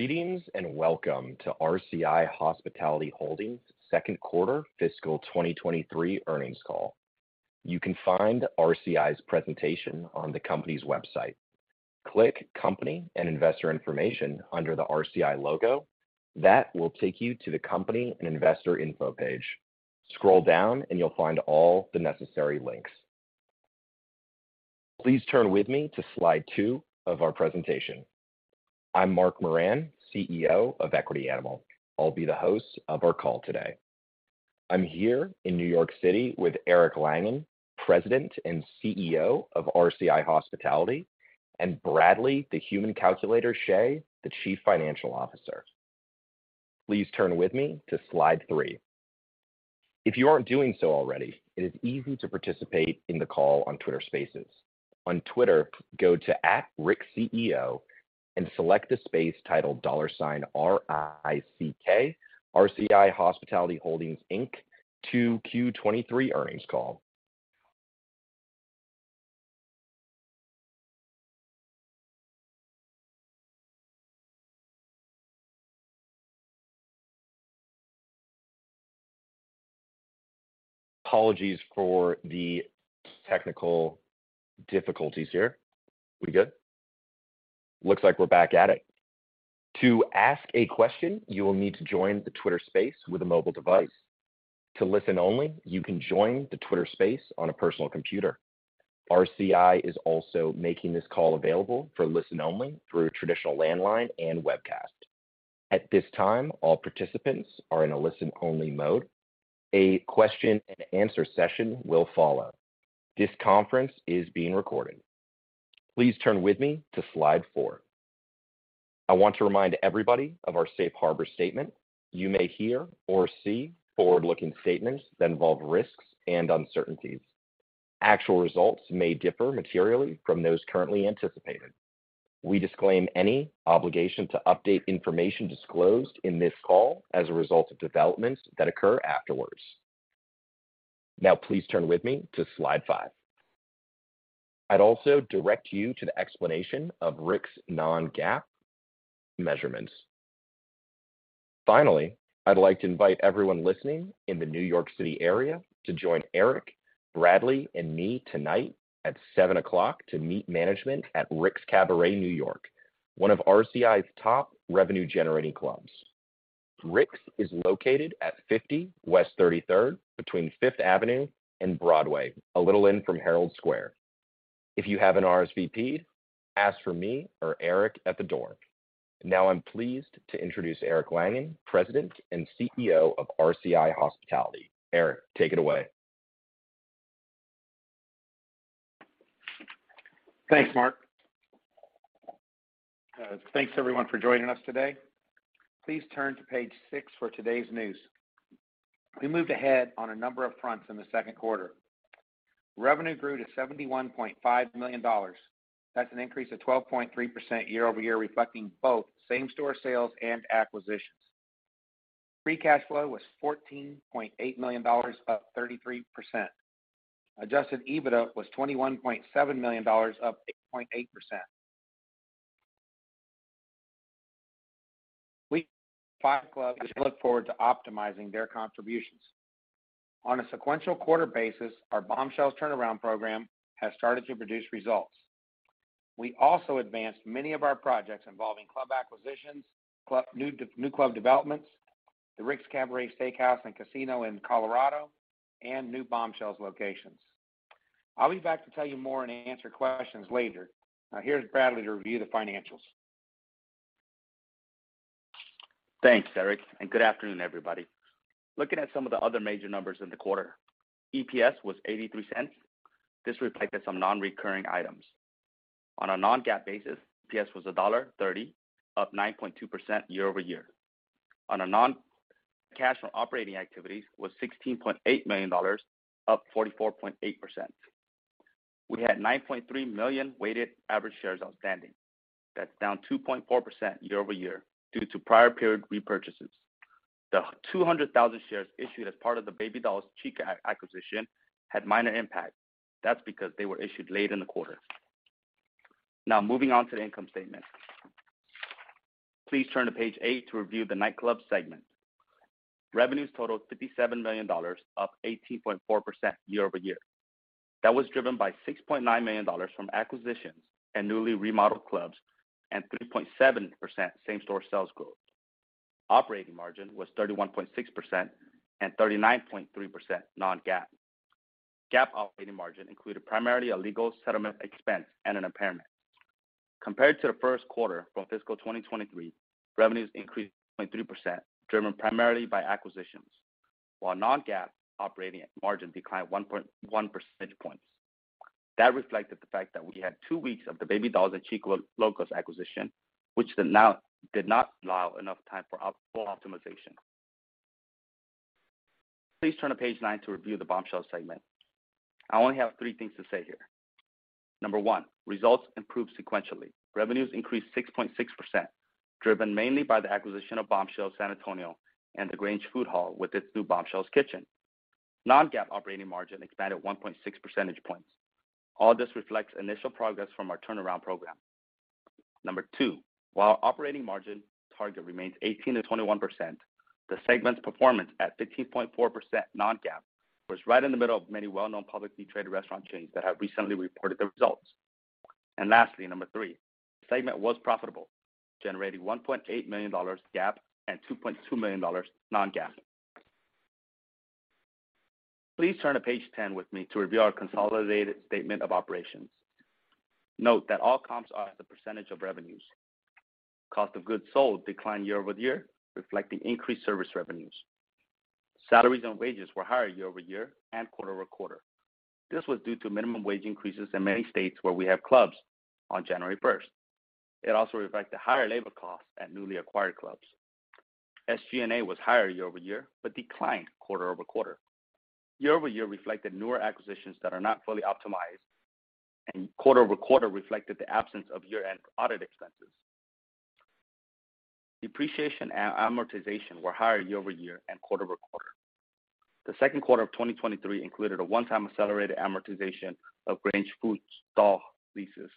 Greetings, and welcome to RCI Hospitality Holdings second quarter fiscal 2023 earnings call. You can find RCI's presentation on the company's website. Click Company and Investor Information under the RCI logo. That will take you to the Company and Investor Info page. Scroll down, and you'll find all the necessary links. Please turn with me to slide two of our presentation. I'm Mark Moran, CEO of Equity Animal. I'll be the host of our call today. I'm here in New York City with Eric Langan, President and CEO of RCI Hospitality, and Bradley, "The Human Calculator," Shea, Chief Financial Officer. Please turn with me to slide three. If you aren't doing so already, it is easy to participate in the call on Twitter Spaces. On Twitter, go to @RicksCEO and select the space titled $RICK, RCI Hospitality Holdings, Inc. 2Q 2023 earnings call. Apologies for the technical difficulties here. We good? Looks like we're back at it. To ask a question, you will need to join the Twitter space with a mobile device. To listen only, you can join the Twitter space on a personal computer. RCI is also making this call available for listen only through traditional landline and webcast. At this time, all participants are in a listen only mode. A question and answer session will follow. This conference is being recorded. Please turn with me to slide four. I want to remind everybody of our safe harbor statement. You may hear or see forward-looking statements that involve risks and uncertainties. Actual results may differ materially from those currently anticipated. We disclaim any obligation to update information disclosed in this call as a result of developments that occur afterwards. Please turn with me to slide five. I'd also direct you to the explanation of Rick's non-GAAP measurements. Finally, I'd like to invite everyone listening in the New York City area to join Eric, Bradley, and me tonight at 7:00 P.M. to meet management at Rick's Cabaret New York, one of RCI's top revenue-generating clubs. Rick's is located at 50 West 33rd between Fifth Avenue and Broadway, a little in from Herald Square. If you have an RSVP, ask for me or Eric at the door. I'm pleased to introduce Eric Langan, President and CEO of RCI Hospitality. Eric, take it away. Thanks, Mark. Thanks everyone for joining us today. Please turn to page 6 for today's news. We moved ahead on a number of fronts in the second quarter. Revenue grew to $71.5 million. That's an increase of 12.3% year-over-year, reflecting both same-store sales and acquisitions. Free cash flow was $14.8 million, up 33%. Adjusted EBITDA was $21.7 million, up 8.8%. Five clubs look forward to optimizing their contributions. On a sequential quarter basis, our Bombshells turnaround program has started to produce results. We also advanced many of our projects involving club acquisitions, new club developments, the Rick's Cabaret Steakhouse & Casino in Colorado, and new Bombshells locations. I'll be back to tell you more and answer questions later. Here's Bradley to review the financials. Thanks, Eric. Good afternoon, everybody. Looking at some of the other major numbers in the quarter. EPS was $0.83. This reflected some non-recurring items. On a non-GAAP basis, EPS was $1.30, up 9.2% year-over-year. Cash from operating activities was $16.8 million, up 44.8%. We had 9.3 million weighted average shares outstanding. That's down 2.4% year-over-year due to prior period repurchases. The 200,000 shares issued as part of the Baby Dolls/Chicas Locas acquisition had minor impact. That's because they were issued late in the quarter. Moving on to the income statement. Please turn to page 8 to review the nightclubs segment. Revenues totaled $57 million, up 18.4% year-over-year. That was driven by $6.9 million from acquisitions and newly remodeled clubs, and 3.7% same-store sales growth. Operating margin was 31.6% and 39.3% non-GAAP. GAAP operating margin included primarily a legal settlement expense and an impairment. Compared to the first quarter from fiscal 2023, revenues increased 0.3%, driven primarily by acquisitions. Non-GAAP operating margin declined 1.1 percentage points. That reflected the fact that we had 2 weeks of the Baby Dolls and Chicas Locas acquisition, which did not allow enough time for full optimization. Please turn to page 9 to review the Bombshells segment. I only have three things to say here. Number 1, results improved sequentially. Revenues increased 6.6%, driven mainly by the acquisition of Bombshells San Antonio and The Grange Food Hall with its new Bombshells kitchen. Non-GAAP operating margin expanded 1.6 percentage points. All this reflects initial progress from our turnaround program. Number two, while operating margin target remains 18-21%, the segment's performance at 15.4% non-GAAP was right in the middle of many well-known publicly traded restaurant chains that have recently reported their results. Lastly, number three, the segment was profitable, generating $1.8 million GAAP and $2.2 million non-GAAP. Please turn to page 10 with me to review our consolidated statement of operations. Note that all comps are as a percentage of revenues. Cost of goods sold declined year-over-year, reflecting increased service revenues. Salaries and wages were higher year-over-year and quarter-over-quarter. This was due to minimum wage increases in many states where we have clubs on January first. It also reflects the higher labor costs at newly acquired clubs. SG&A was higher year-over-year, declined quarter-over-quarter. Year-over-year reflected newer acquisitions that are not fully optimized, Quarter-over-quarter reflected the absence of year-end audit expenses. Depreciation and amortization were higher year-over-year and quarter-over-quarter. The second quarter of 2023 included a one-time accelerated amortization of Grange Food Hall leases.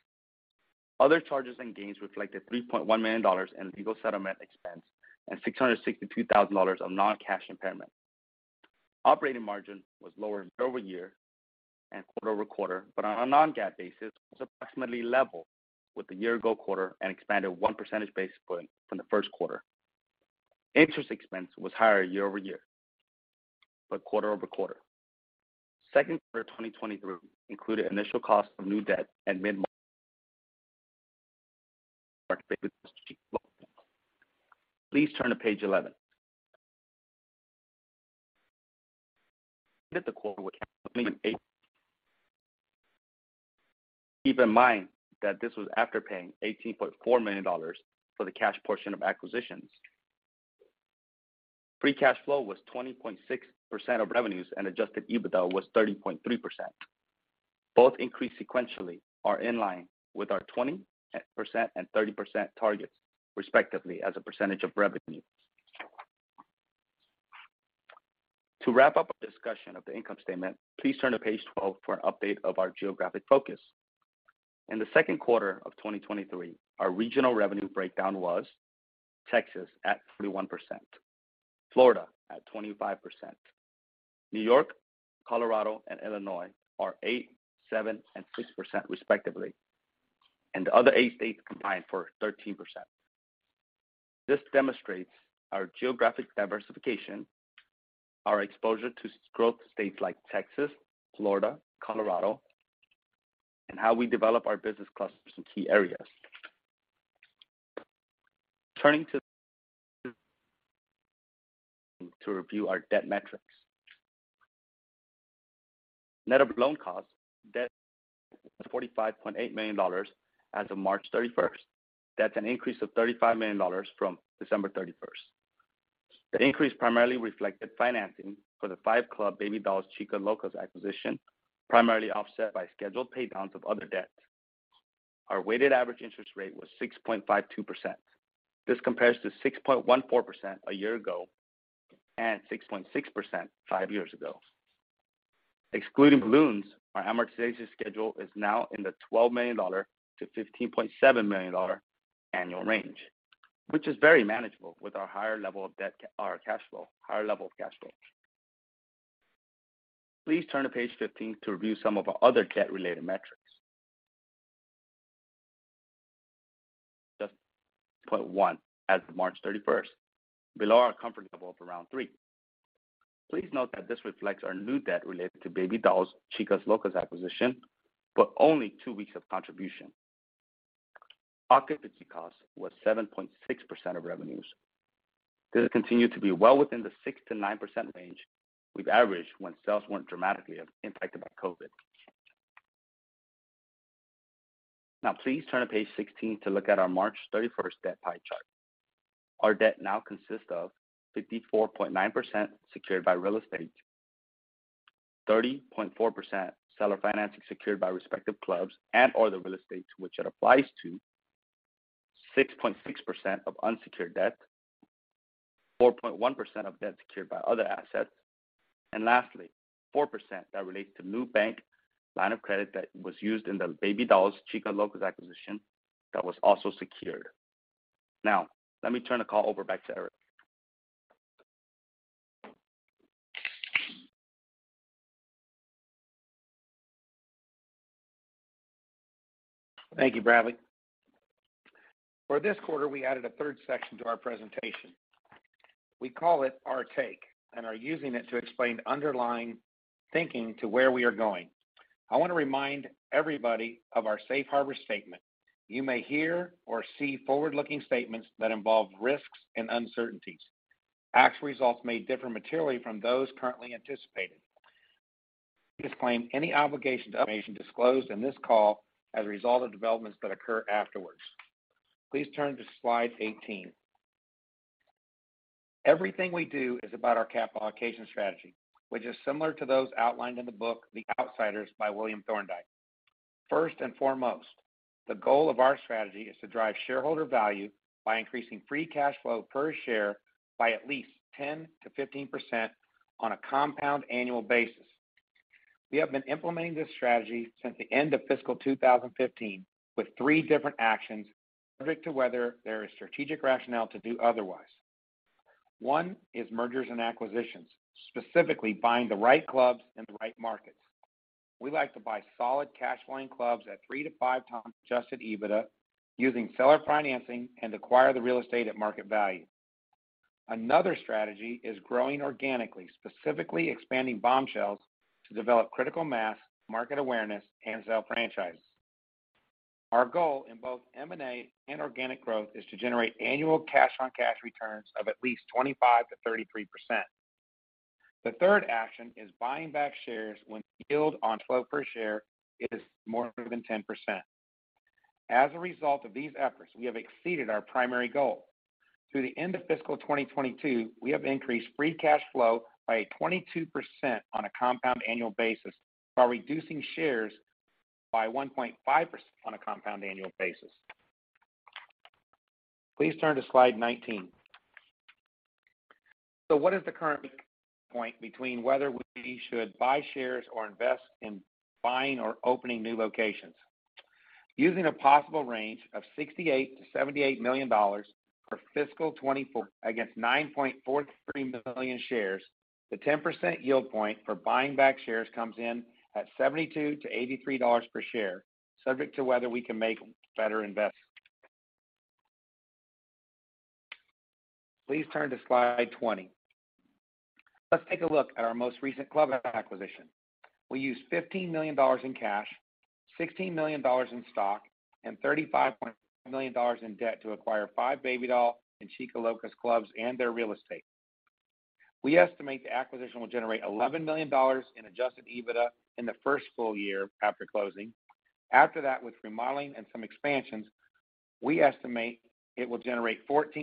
Other charges and gains reflected $3.1 million in legal settlement expense and $662,000 of non-cash impairment. Operating margin was lower year-over-year and quarter-over-quarter, On a non-GAAP basis, was approximately level with the year ago quarter and expanded 1 percentage base point from the first quarter. Interest expense was higher year-over-year Quarter-over-quarter. Second quarter of 2023 included initial cost of new debt. Please turn to page 11. Keep in mind that this was after paying $18.4 million for the cash portion of acquisitions. Free cash flow was 20.6% of revenues, and Adjusted EBITDA was 30.3%. Both increased sequentially are in line with our 20% and 30% targets, respectively, as a percentage of revenue. To wrap up our discussion of the income statement, please turn to page 12 for an update of our geographic focus. In the second quarter of 2023, our regional revenue breakdown was Texas at 31%, Florida at 25%. New York, Colorado, and Illinois are 8%, 7%, and 6% respectively, and the other 8 states combined for 13%. This demonstrates our geographic diversification, our exposure to growth states like Texas, Florida, Colorado, and how we develop our business clusters in key areas. To review our debt metrics. Net of loan costs, debt $45.8 million as of March 31st. That's an increase of $35 million from December 31st. The increase primarily reflected financing for the 5-club Baby Dolls Chicas Locas acquisition, primarily offset by scheduled paydowns of other debts. Our weighted average interest rate was 6.52%. This compares to 6.14% a year ago and 6.6% five years ago. Excluding balloons, our amortization schedule is now in the $12-15.7 million annual range, which is very manageable with our higher level of debt, or cash flow, higher level of cash flow. Please turn to page 15 to review some of our other debt-related metrics. Just 0.1 as of March 31st, below our comfort level of around 3. Please note that this reflects our new debt related to Baby Dolls Chicas Locas acquisition, but only two weeks of contribution. Occupancy cost was 7.6% of revenues. This continued to be well within the 6%-9% range we've averaged when sales weren't dramatically impacted by COVID. Please turn to page 16 to look at our March 31st debt pie chart. Our debt now consists of 54.9% secured by real estate, 30% seller financing secured by respective clubs and or the real estate to which it applies to, 6.6% of unsecured debt, 4.1% of debt secured by other assets, and lastly, 4% that relates to new bank line of credit that was used in the Baby Dolls Chicas Locas acquisition that was also secured. Let me turn the call over back to Eric. Thank you, Bradley Chhay. For this quarter, we added a third section to our presentation. We call it Our Take, and are using it to explain underlying thinking to where we are going. I want to remind everybody of our safe harbor statement. You may hear or see forward-looking statements that involve risks and uncertainties. Actual results may differ materially from those currently anticipated. We disclaim any obligation to update information disclosed in this call as a result of developments that occur afterwards. Please turn to slide 18. Everything we do is about our capital allocation strategy, which is similar to those outlined in the book The Outsiders by William Thorndike. First and foremost, the goal of our strategy is to drive shareholder value by increasing free cash flow per share by at least 10%-15% on a compound annual basis. We have been implementing this strategy since the end of fiscal 2015, with three different actions subject to whether there is strategic rationale to do otherwise. One is mergers and acquisitions, specifically buying the right clubs in the right markets. We like to buy solid cash flowing clubs at 3-5 times Adjusted EBITDA using seller financing and acquire the real estate at market value. Another strategy is growing organically, specifically expanding Bombshells to develop critical mass, market awareness, and sell franchises. Our goal in both M&A and organic growth is to generate annual cash-on-cash returns of at least 25-33%. The third action is buying back shares when the yield on flow per share is more than 10%. As a result of these efforts, we have exceeded our primary goal. Through the end of fiscal 2022, we have increased free cash flow by 22% on a compound annual basis while reducing shares by 1.5% on a compound annual basis. Please turn to slide 19. What is the current midpoint between whether we should buy shares or invest in buying or opening new locations? Using a possible range of $68 million-78 million for fiscal 2024 against 9.43 million shares, the 10% yield point for buying back shares comes in at $72-83 per share, subject to whether we can make better investments. Please turn to slide 20. Let's take a look at our most recent club acquisition. We used $15 million in cash, $16 million in stock, and $35.5 million in debt to acquire 5 Baby Dolls and Chicas Locas clubs and their real estate. We estimate the acquisition will generate $11 million in Adjusted EBITDA in the first full year after closing. After that, with remodeling and some expansions, we estimate it will generate $14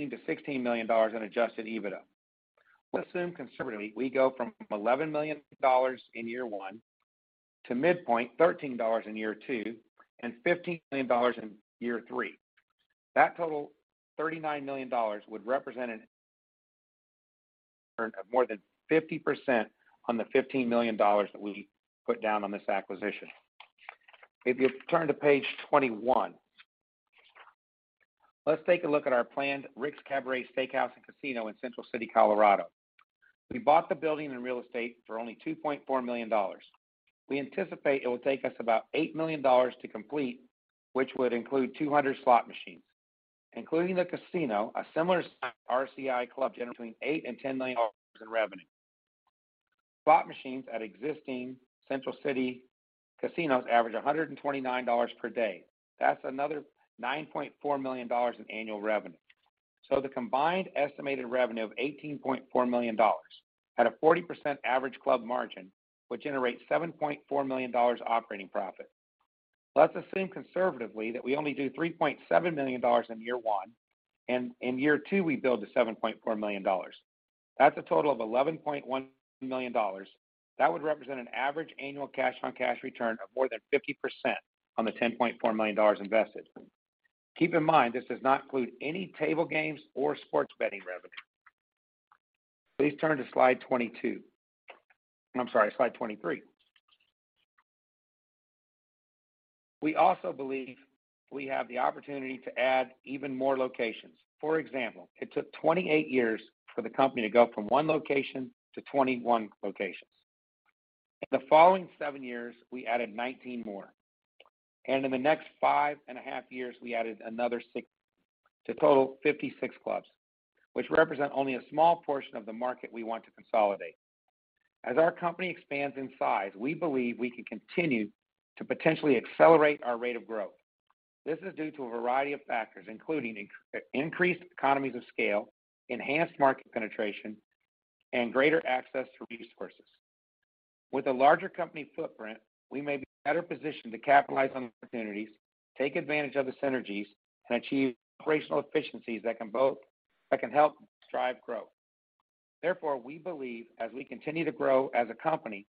million-$16 million in Adjusted EBITDA. Let's assume conservatively we go from $11 million in year one to midpoint, $13 million in year two and $15 million in year three. That total $39 million would represent an return of more than 50% on the $15 million that we put down on this acquisition. If you turn to page 21, let's take a look at our planned Rick's Cabaret Steakhouse & Casino in Central City, Colorado. We bought the building and real estate for only $2.4 million. We anticipate it will take us about $8 million to complete, which would include 200 slot machines. Including the casino, a similar-sized RCI club generates between $8 million and $10 million in revenue. Slot machines at existing Central City casinos average $129 per day. That's another $9.4 million in annual revenue. The combined estimated revenue of $18.4 million at a 40% average club margin would generate $7.4 million operating profit. Let's assume conservatively that we only do $3.7 million in year one, and in year two we build to $7.4 million. That's a total of $11.1 million. That would represent an average annual cash-on-cash return of more than 50% on the $10.4 million invested. Keep in mind, this does not include any table games or sports betting revenue. Please turn to slide 22. I'm sorry, slide 23. We also believe we have the opportunity to add even more locations. For example, it took 28 years for the company to go from one location to 21 locations. In the following seven years, we added 19 more, and in the next five and a half years, we added another six to total 56 clubs, which represent only a small portion of the market we want to consolidate. As our company expands in size, we believe we can continue to potentially accelerate our rate of growth. This is due to a variety of factors, including increased economies of scale, enhanced market penetration, and greater access to resources. With a larger company footprint, we may be better positioned to capitalize on opportunities, take advantage of the synergies, and achieve operational efficiencies that can help drive growth. We believe as we continue to grow as a company,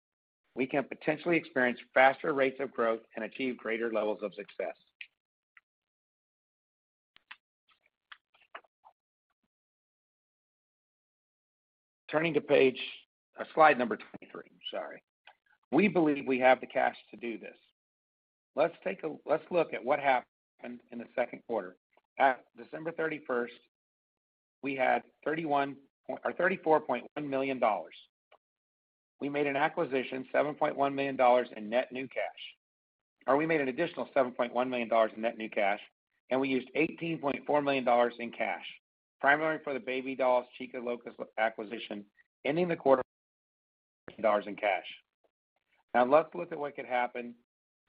we can potentially experience faster rates of growth and achieve greater levels of success. Turning to Slide number 23, I'm sorry. We believe we have the cash to do this. Let's look at what happened in the second quarter. At December 31st, we had $34.1 million. We made an acquisition, $7.1 million in net new cash. We made an additional $7.1 million in net new cash, and we used $18.4 million in cash, primarily for the Baby Dolls/Chicas Loca acquisition, ending the quarter with $13 million in cash. Let's look at what could happen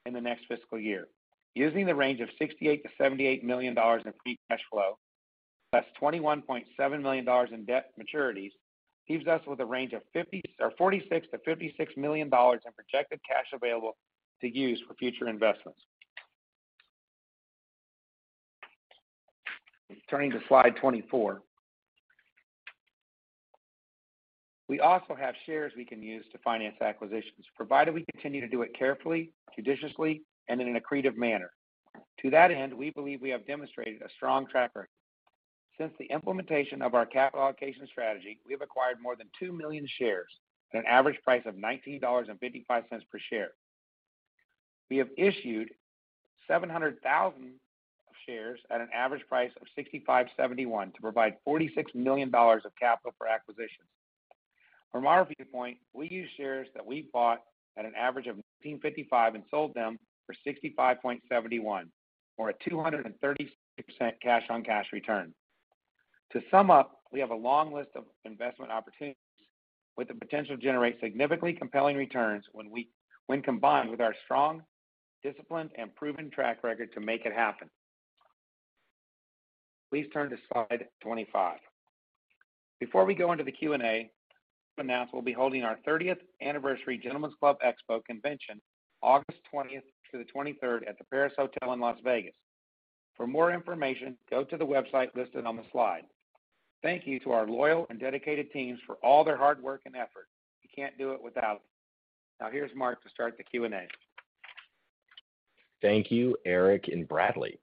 in the next fiscal year. Using the range of $68 million-$78 million in free cash flow, plus $21.7 million in debt maturities, leaves us with a range of fifty or $46 million-56 million in projected cash available to use for future investments. Turning to slide 24. We also have shares we can use to finance acquisitions, provided we continue to do it carefully, judiciously, and in an accretive manner. To that end, we believe we have demonstrated a strong track record. Since the implementation of our capital allocation strategy, we have acquired more than 2 million shares at an average price of $19.55 per share. We have issued 700,000 shares at an average price of $65.71 to provide $46 million of capital for acquisitions. From our viewpoint, we use shares that we've bought at an average of $19.55 and sold them for $65.71 or at 236% cash on cash return. To sum up, we have a long list of investment opportunities with the potential to generate significantly compelling returns when combined with our strong discipline and proven track record to make it happen. Please turn to slide 25. Before we go into the Q&A, I'd like to announce we'll be holding our 30th anniversary Gentlemen's Club EXPO Convention August 20th to the 23rd at the Paris Hotel in Las Vegas. For more information, go to the website listed on the slide. Thank you to our loyal and dedicated teams for all their hard work and effort. We can't do it without them. Now here's Mark to start the Q&A. Thank you, Eric and Bradley.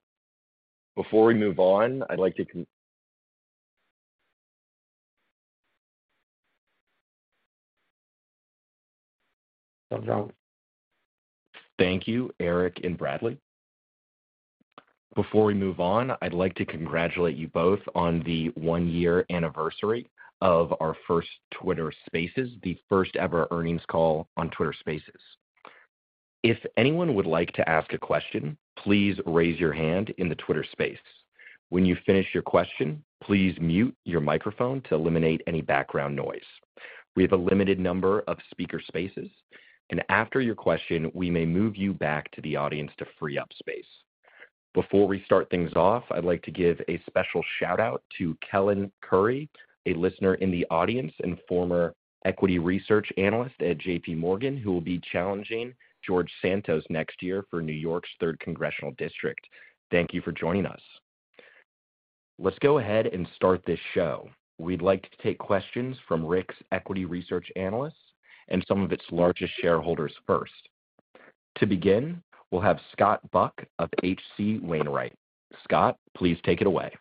Before we move on, I'd like to congratulate you both on the one-year anniversary of our first Twitter Spaces, the first ever earnings call on Twitter Spaces. If anyone would like to ask a question, please raise your hand in the Twitter Spaces. When you finish your question, please mute your microphone to eliminate any background noise. We have a limited number of speaker spaces, and after your question, we may move you back to the audience to free up space. Before we start things off, I'd like to give a special shout out to Kellen Curry, a listener in the audience and former equity research analyst at J.P.Morgan, who will be challenging George Santos next year for New York's third congressional district. Thank you for joining us. Let's go ahead and start this show. We'd like to take questions from Rick's equity research analysts and some of its largest shareholders first. To begin, we'll have Scott Buck of H.C. Wainwright. Scott, please take it away.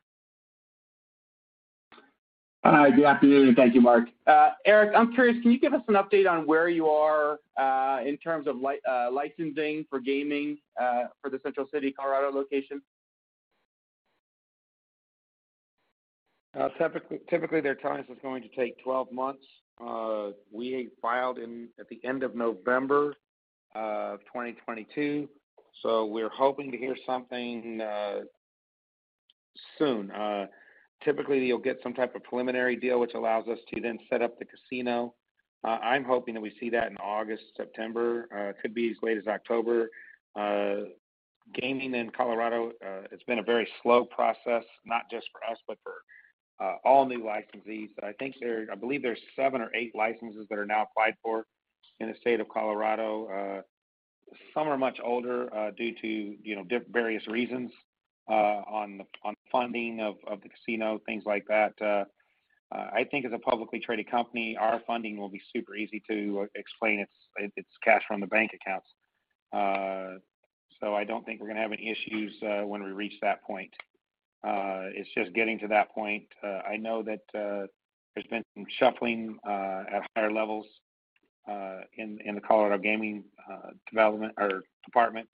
Good afternoon. Thank you, Mark Moran. Eric Langan, I'm curious, can you give us an update on where you are, in terms of licensing for gaming, for the Central City, Colorado location? Typically, their time is going to take 12 months. We filed at the end of November of 2022. We're hoping to hear something soon. Typically, you'll get some type of preliminary deal which allows us to then set up the casino. I'm hoping that we see that in August, September. Could be as late as October. Gaming in Colorado, it's been a very slow process, not just for us, but for all new licensees. I think I believe there's seven or eight licenses that are now applied for in the state of Colorado. Some are much older, due to, you know, various reasons, on funding of the casino, things like that. I think as a publicly traded company, our funding will be super easy to explain. It's cash from the bank accounts. I don't think we're gonna have any issues when we reach that point. It's just getting to that point. I know that there's been some shuffling at higher levels in the Colorado Gaming development or department.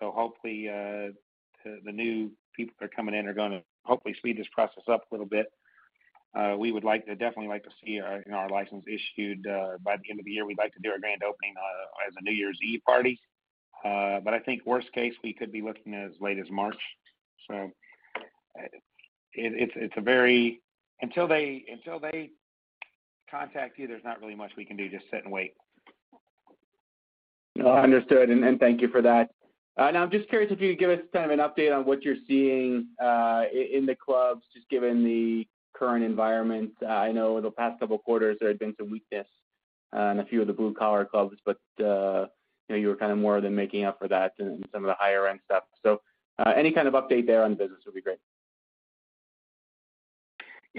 Hopefully, the new people that are coming in are gonna hopefully speed this process up a little bit. We would definitely like to see our, you know, our license issued by the end of the year. We'd like to do our grand opening as a New Year's Eve party. I think worst case, we could be looking as late as March. Until they contact you, there's not really much we can do. Just sit and wait. Understood. Thank you for that. Now I'm just curious if you could give us kind of an update on what you're seeing in the clubs, just given the current environment. I know the past couple of quarters there had been some weakness in a few of the blue-collar clubs, but, you know, you were kind of more than making up for that in some of the higher end stuff. Any kind of update there on the business would be great.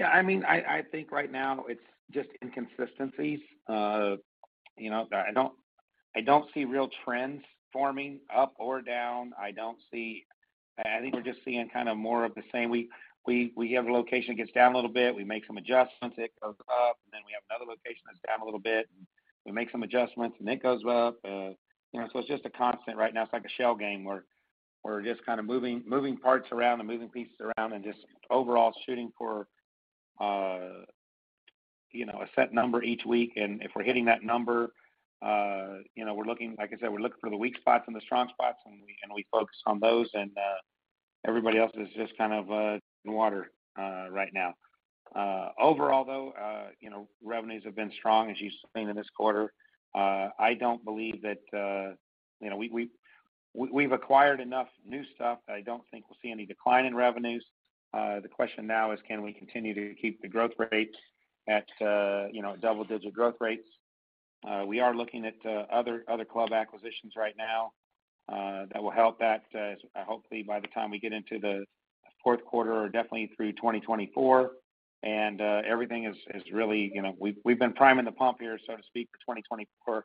I mean, I think right now it's just inconsistencies. you know, I don't see real trends forming up or down. I don't see. I think we're just seeing kind of more of the same. We have a location that gets down a little bit. We make some adjustments. It goes up, and then we have another location that's down a little bit. We make some adjustments, and it goes up. you know, so it's just a constant right now. It's like a shell game where we're just kind of moving parts around and moving pieces around and just overall shooting for, you know, a set number each week. If we're hitting that number, you know, we're looking. Like I said, we're looking for the weak spots and the strong spots and we focus on those. Everybody else is just kind of in water right now. Overall, though, you know, revenues have been strong as you've seen in this quarter. I don't believe that, you know... We've acquired enough new stuff that I don't think we'll see any decline in revenues. The question now is, can we continue to keep the growth rates at, you know, double-digit growth rates? We are looking at other club acquisitions right now that will help that, hopefully by the time we get into the fourth quarter or definitely through 2024. Everything is really, you know, we've been priming the pump here, so to speak, for 2024.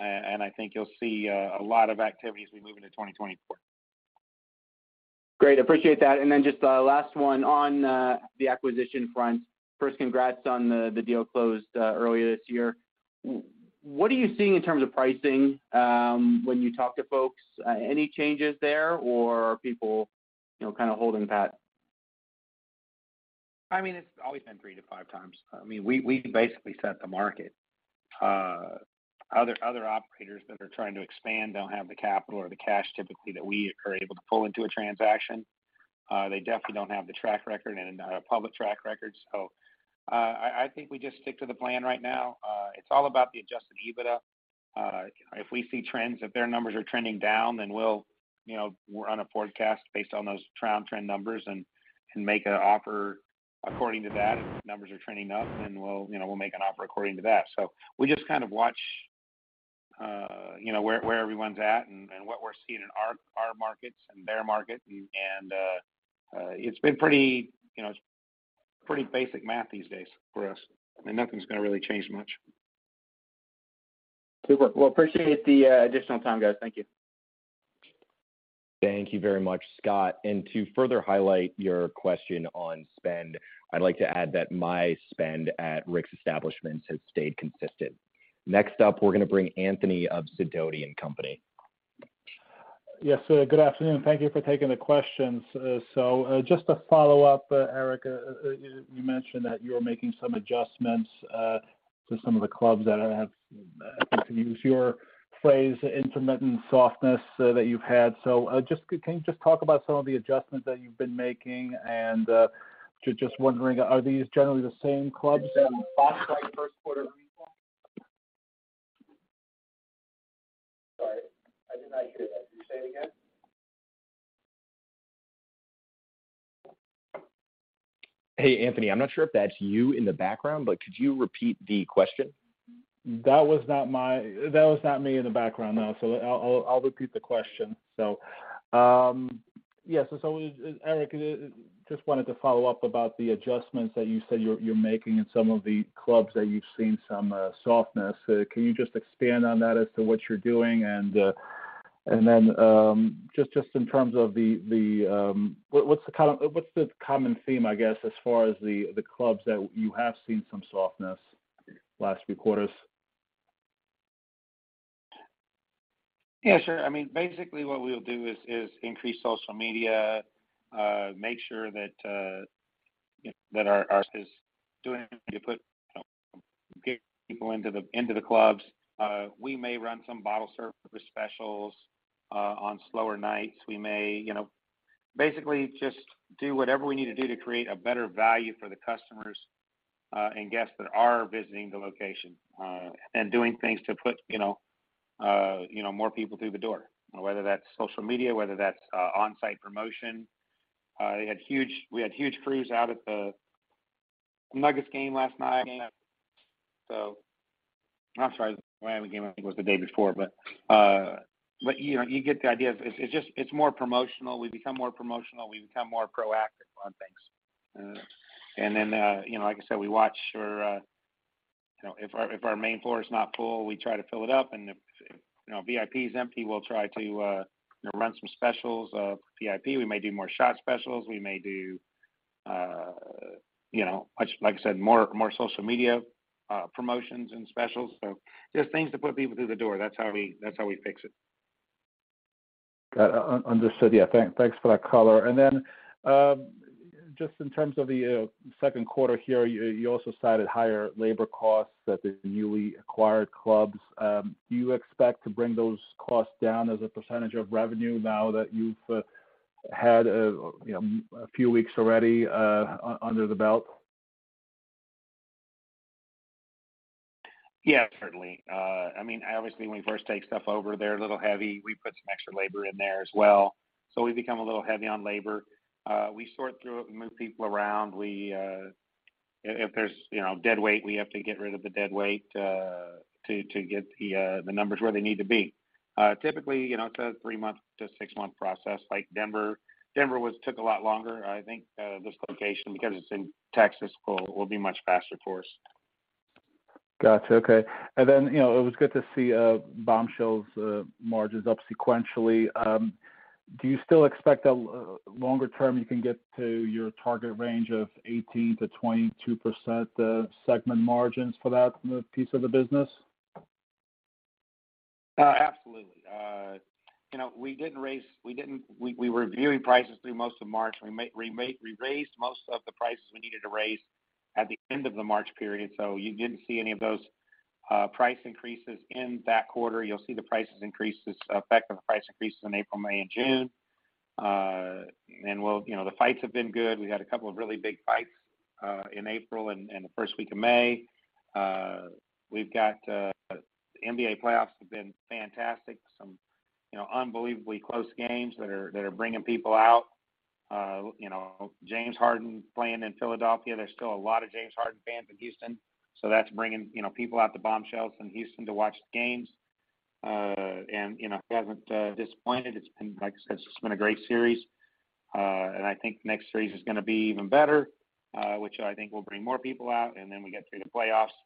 I think you'll see a lot of activity as we move into 2024. Great. Appreciate that. Just the last one on the acquisition front. Congrats on the deal closed earlier this year. What are you seeing in terms of pricing when you talk to folks? Any changes there, or are people, you know, kind of holding pat? I mean, it's always been 3-5 times. I mean, we basically set the market. Other operators that are trying to expand don't have the capital or the cash typically that we are able to pull into a transaction. They definitely don't have the track record and public track record. I think we just stick to the plan right now. It's all about the Adjusted EBITDA. If we see trends, if their numbers are trending down, we'll, you know, run a forecast based on those trend numbers and make an offer according to that. If the numbers are trending up, we'll, you know, we'll make an offer according to that. We just kind of watch, you know, where everyone's at and what we're seeing in our markets and their market. It's been pretty, you know, it's pretty basic math these days for us, and nothing's gonna really change much. Super. Well, appreciate the additional time, guys. Thank you. Thank you very much, Scott. To further highlight your question on spend, I'd like to add that my spend at Rick's establishments has stayed consistent. Next up, we're gonna bring Anthony of Sidoti & Company. Yes, sir. Good afternoon. Thank you for taking the questions. just to follow up, Eric, you mentioned that you're making some adjustments to some of the clubs that have to use your phrase, intermittent softness, that you've had. Can you just talk about some of the adjustments that you've been making? just wondering, are these generally the same clubs that first quarter results? Sorry, I did not hear that. Can you say it again? Hey, Anthony, I'm not sure if that's you in the background, but could you repeat the question? That was not me in the background. No. I'll repeat the question. Yeah. Eric, just wanted to follow up about the adjustments that you said you're making in some of the clubs that you've seen some softness. Can you just expand on that as to what you're doing? Then just in terms of the, what's the common theme, I guess, as far as the clubs that you have seen some softness last few quarters? Yeah, sure. I mean, basically what we'll do is increase social media, make sure that, you know, that our is doing to put people into the clubs. We may run some bottle service specials on slower nights. We may, you know, basically just do whatever we need to do to create a better value for the customers and guests that are visiting the location and doing things to put, you know, more people through the door, whether that's social media, whether that's on-site promotion. We had huge crews out at the Nuggets game last night. I'm sorry, the Miami game, I think, was the day before. You know, you get the idea. It's just, it's more promotional. We become more promotional. We become more proactive on things. You know, like I said, we watch for, you know, if our main floor is not full, we try to fill it up. If, you know, VIP is empty, we'll try to, you know, run some specials. VIP, we may do more shot specials. We may do, you know, much, like I said, more social media promotions and specials. Just things to put people through the door. That's how we fix it. Got it. Understood. Yeah. Thanks for that color. Then just in terms of the second quarter here, you also cited higher labor costs at the newly acquired clubs. Do you expect to bring those costs down as a percentage of revenue now that you've had a, you know, a few weeks already under the belt? Certainly. I mean, obviously, when we first take stuff over, they're a little heavy. We put some extra labor in there as well. We become a little heavy on labor. We sort through it. We move people around. We, if there's, you know, dead weight, we have to get rid of the dead weight, to get the numbers where they need to be. Typically, you know, it's a 3-month to 6-month process. Like Denver took a lot longer, I think, this location, because it's in Texas, will be much faster for us. Got you. Okay. You know, it was good to see Bombshells margins up sequentially. Do you still expect that longer term, you can get to your target range of 18-22% segment margins for that piece of the business? Absolutely. You know, we were viewing prices through most of March. We raised most of the prices we needed to raise at the end of the March period. You didn't see any of those price increases in that quarter. You'll see the effect of the price increases in April, May and June. We'll... You know, the fights have been good. We had a couple of really big fights in April and the first week of May. We've got NBA playoffs have been fantastic. Some, you know, unbelievably close games that are bringing people out. You know, James Harden playing in Philadelphia, there's still a lot of James Harden fans in Houston, so that's bringing, you know, people out to Bombshells in Houston to watch the games. You know, it hasn't disappointed. It's been Like I said, it's just been a great series. I think next series is gonna be even better, which I think will bring more people out, and then we get through the playoffs.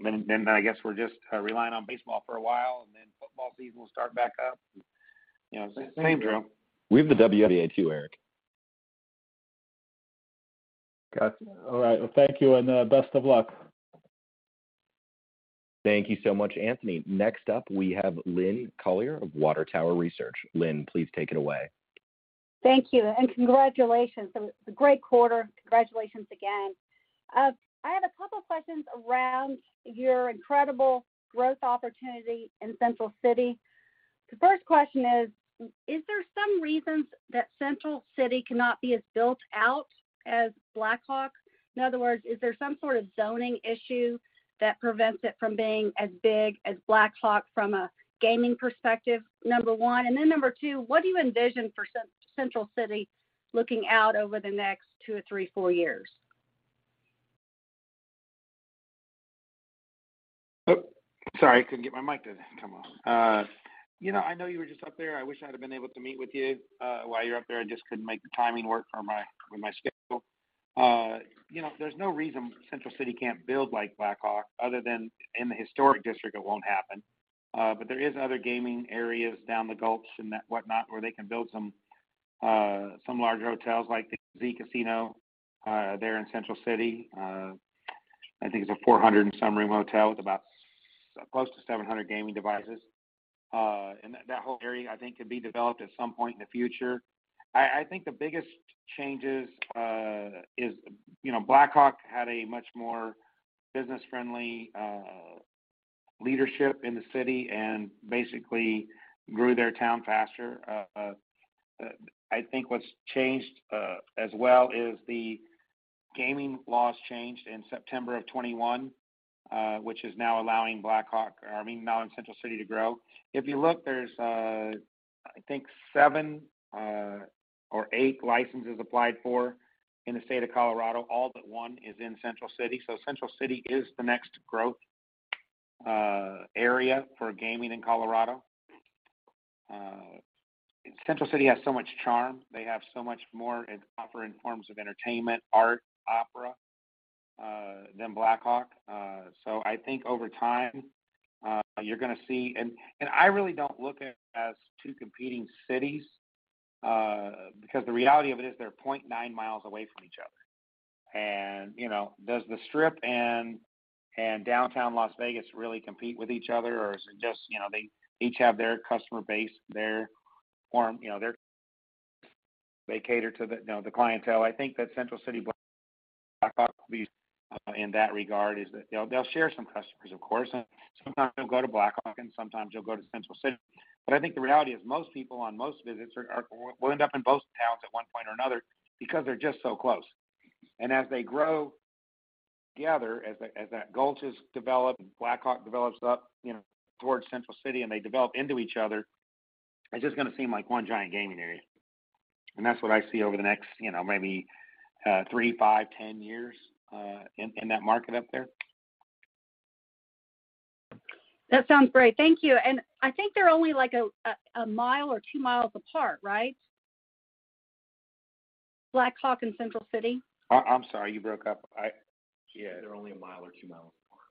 Then I guess we're just relying on baseball for a while, and then football season will start back up. You know, it's the same drill. We have the WNBA too, Eric. Got you. All right. Thank you, and best of luck. Thank you so much, Anthony. Next up, we have Lynne Collier of Water Tower Research. Lynn, please take it away. Thank you, congratulations. It's a great quarter. Congratulations again. I have a couple questions around your incredible growth opportunity in Central City. The first question is there some reasons that Central City cannot be as built out as Black Hawk? In other words, is there some sort of zoning issue that prevents it from being as big as Black Hawk from a gaming perspective? Number 1. Number 2, what do you envision for Central City looking out over the next 2 or 3, 4 years? Oh, sorry, I couldn't get my mic to come on. You know, I know you were just up there. I wish I'd have been able to meet with you while you're up there. I just couldn't make the timing work with my schedule. You know, there's no reason Central City can't build like Black Hawk other than in the historic district it won't happen. There is other gaming areas down the gulch and that whatnot where they can build some large hotels like the Z Casino there in Central City. I think it's a 400 and some room hotel with about close to 700 gaming devices. That whole area I think could be developed at some point in the future. I think the biggest changes is, you know, Black Hawk had a much more business friendly leadership in the city and basically grew their town faster. I think what's changed as well is the gaming laws changed in September of 2021, which is now allowing Black Hawk, or I mean, now allowing Central City to grow. If you look, there's, I think seven or eight licenses applied for in the state of Colorado. All but one is in Central City. Central City is the next growth area for gaming in Colorado. Central City has so much charm. They have so much more on offer in forms of entertainment, art, opera, than Black Hawk. So I think over time, you're gonna see... I really don't look at it as two competing cities because the reality of it is they're 0.9 miles away from each other. You know, does the Strip and downtown Las Vegas really compete with each other, or is it just, you know, they each have their customer base, their form, you know, they cater to the, you know, the clientele? I think that Central City, Black Hawk will be in that regard, is that they'll share some customers, of course. Sometimes you'll go to Black Hawk, and sometimes you'll go to Central City. I think the reality is most people on most visits will end up in both towns at one point or another because they're just so close. As they grow together, as that gulch is developed and Black Hawk develops up, you know, towards Central City, and they develop into each other, it's just gonna seem like one giant gaming area. That's what I see over the next, you know, maybe, three, five, 10 years, in that market up there. That sounds great. Thank you. I think they're only like 1 mile or 2 miles apart, right? Black Hawk and Central City. I'm sorry, you broke up. I... Yeah, they're only a 1 mile or 2 miles apart.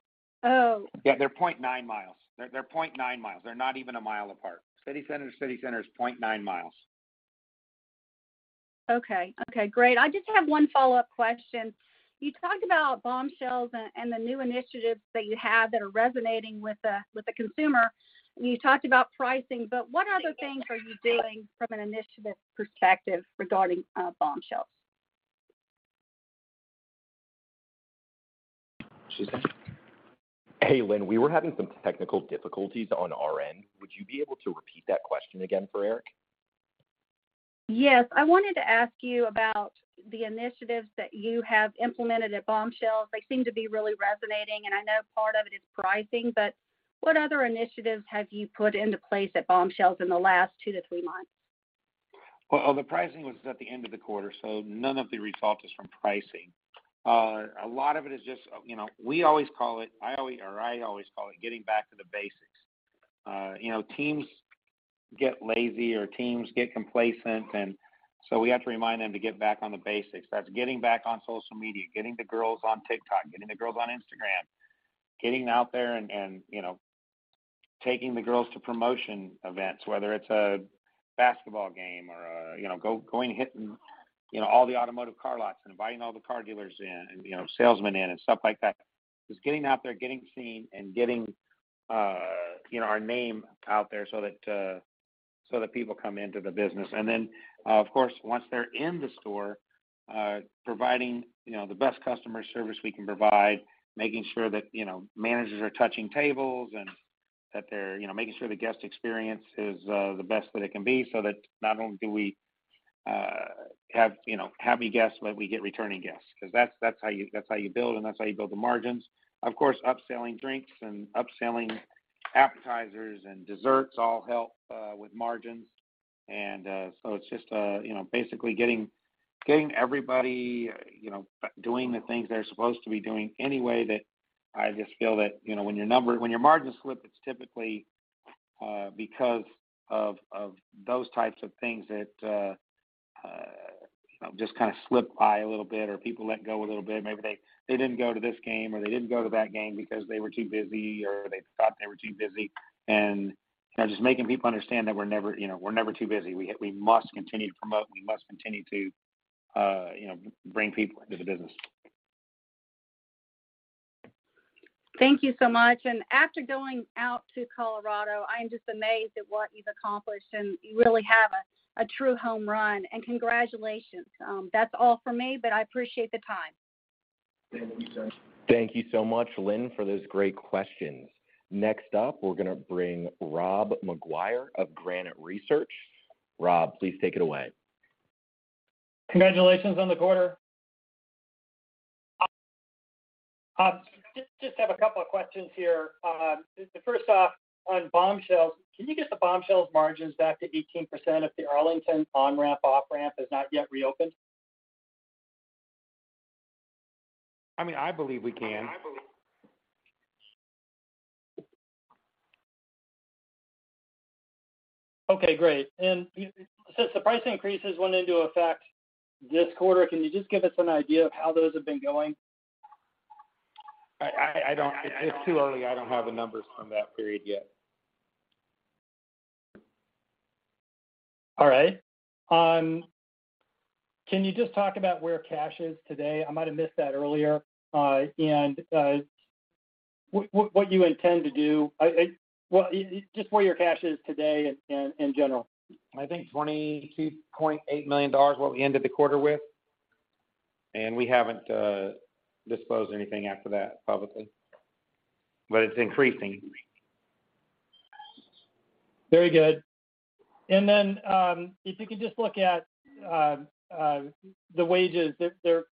Oh. Yeah, they're 0.9 miles. They're 0.9 miles. They're not even 1 mile apart. City center to city center is 0.9 miles. Okay. Okay, great. I just have one follow-up question. You talked about Bombshells and the new initiatives that you have that are resonating with the consumer, and you talked about pricing, but what other things are you doing from an initiative perspective regarding Bombshells? Hey, Lynne, we were having some technical difficulties on our end. Would you be able to repeat that question again for Eric? I wanted to ask you about the initiatives that you have implemented at Bombshells. They seem to be really resonating, and I know part of it is pricing, but what other initiatives have you put into place at Bombshells in the last 2-3 months? Well, the pricing was at the end of the quarter, none of the results is from pricing. A lot of it is just, you know, we always call it, or I always call it getting back to the basics. You know, teams get lazy or teams get complacent, we have to remind them to get back on the basics. That's getting back on social media, getting the girls on TikTok, getting the girls on Instagram, getting out there and, you know, taking the girls to promotion events, whether it's a basketball game or, you know, going hitting, you know, all the automotive car lots and inviting all the car dealers in and, you know, salesmen in and stuff like that. Just getting out there, getting seen and getting, you know, our name out there so that, so that people come into the business. Then, of course, once they're in the store, providing, you know, the best customer service we can provide, making sure that, you know, managers are touching tables and that they're, you know, making sure the guest experience is the best that it can be so that not only do we, have, you know, happy guests, but we get returning guests. Because that's how you build, and that's how you build the margins. Of course, upselling drinks and upselling appetizers and desserts all help, with margins. It's just, you know, basically getting everybody, you know, doing the things they're supposed to be doing anyway that I just feel that, you know, when your margins slip, it's typically, because of those types of things that, you know, just kinda slip by a little bit or people let go a little bit. Maybe they didn't go to this game or they didn't go to that game because they were too busy or they thought they were too busy. You know, just making people understand that we're never, you know, we're never too busy. We must continue to promote, we must continue to, you know, bring people into the business. Thank you so much. After going out to Colorado, I'm just amazed at what you've accomplished and you really have a true home run and congratulations. That's all for me, I appreciate the time. Thank you. Thank you so much, Lynne, for those great questions. Next up, we're gonna bring Rob McGuire of Granite Research. Rob, please take it away. Congratulations on the quarter. Just have a couple of questions here. First off, on Bombshells, can you get the Bombshells margins back to 18% if the Arlington on-ramp, off-ramp is not yet reopened? I mean, I believe we can. Okay, great. Since the price increases went into effect this quarter, can you just give us an idea of how those have been going? I don't... It's too early. I don't have the numbers from that period yet. All right. Can you just talk about where cash is today? I might have missed that earlier. What you intend to do? Well, just where your cash is today in general. I think $22.8 million what we ended the quarter with, and we haven't disclosed anything after that publicly. It's increasing. Very good. If you could just look at the wages, they're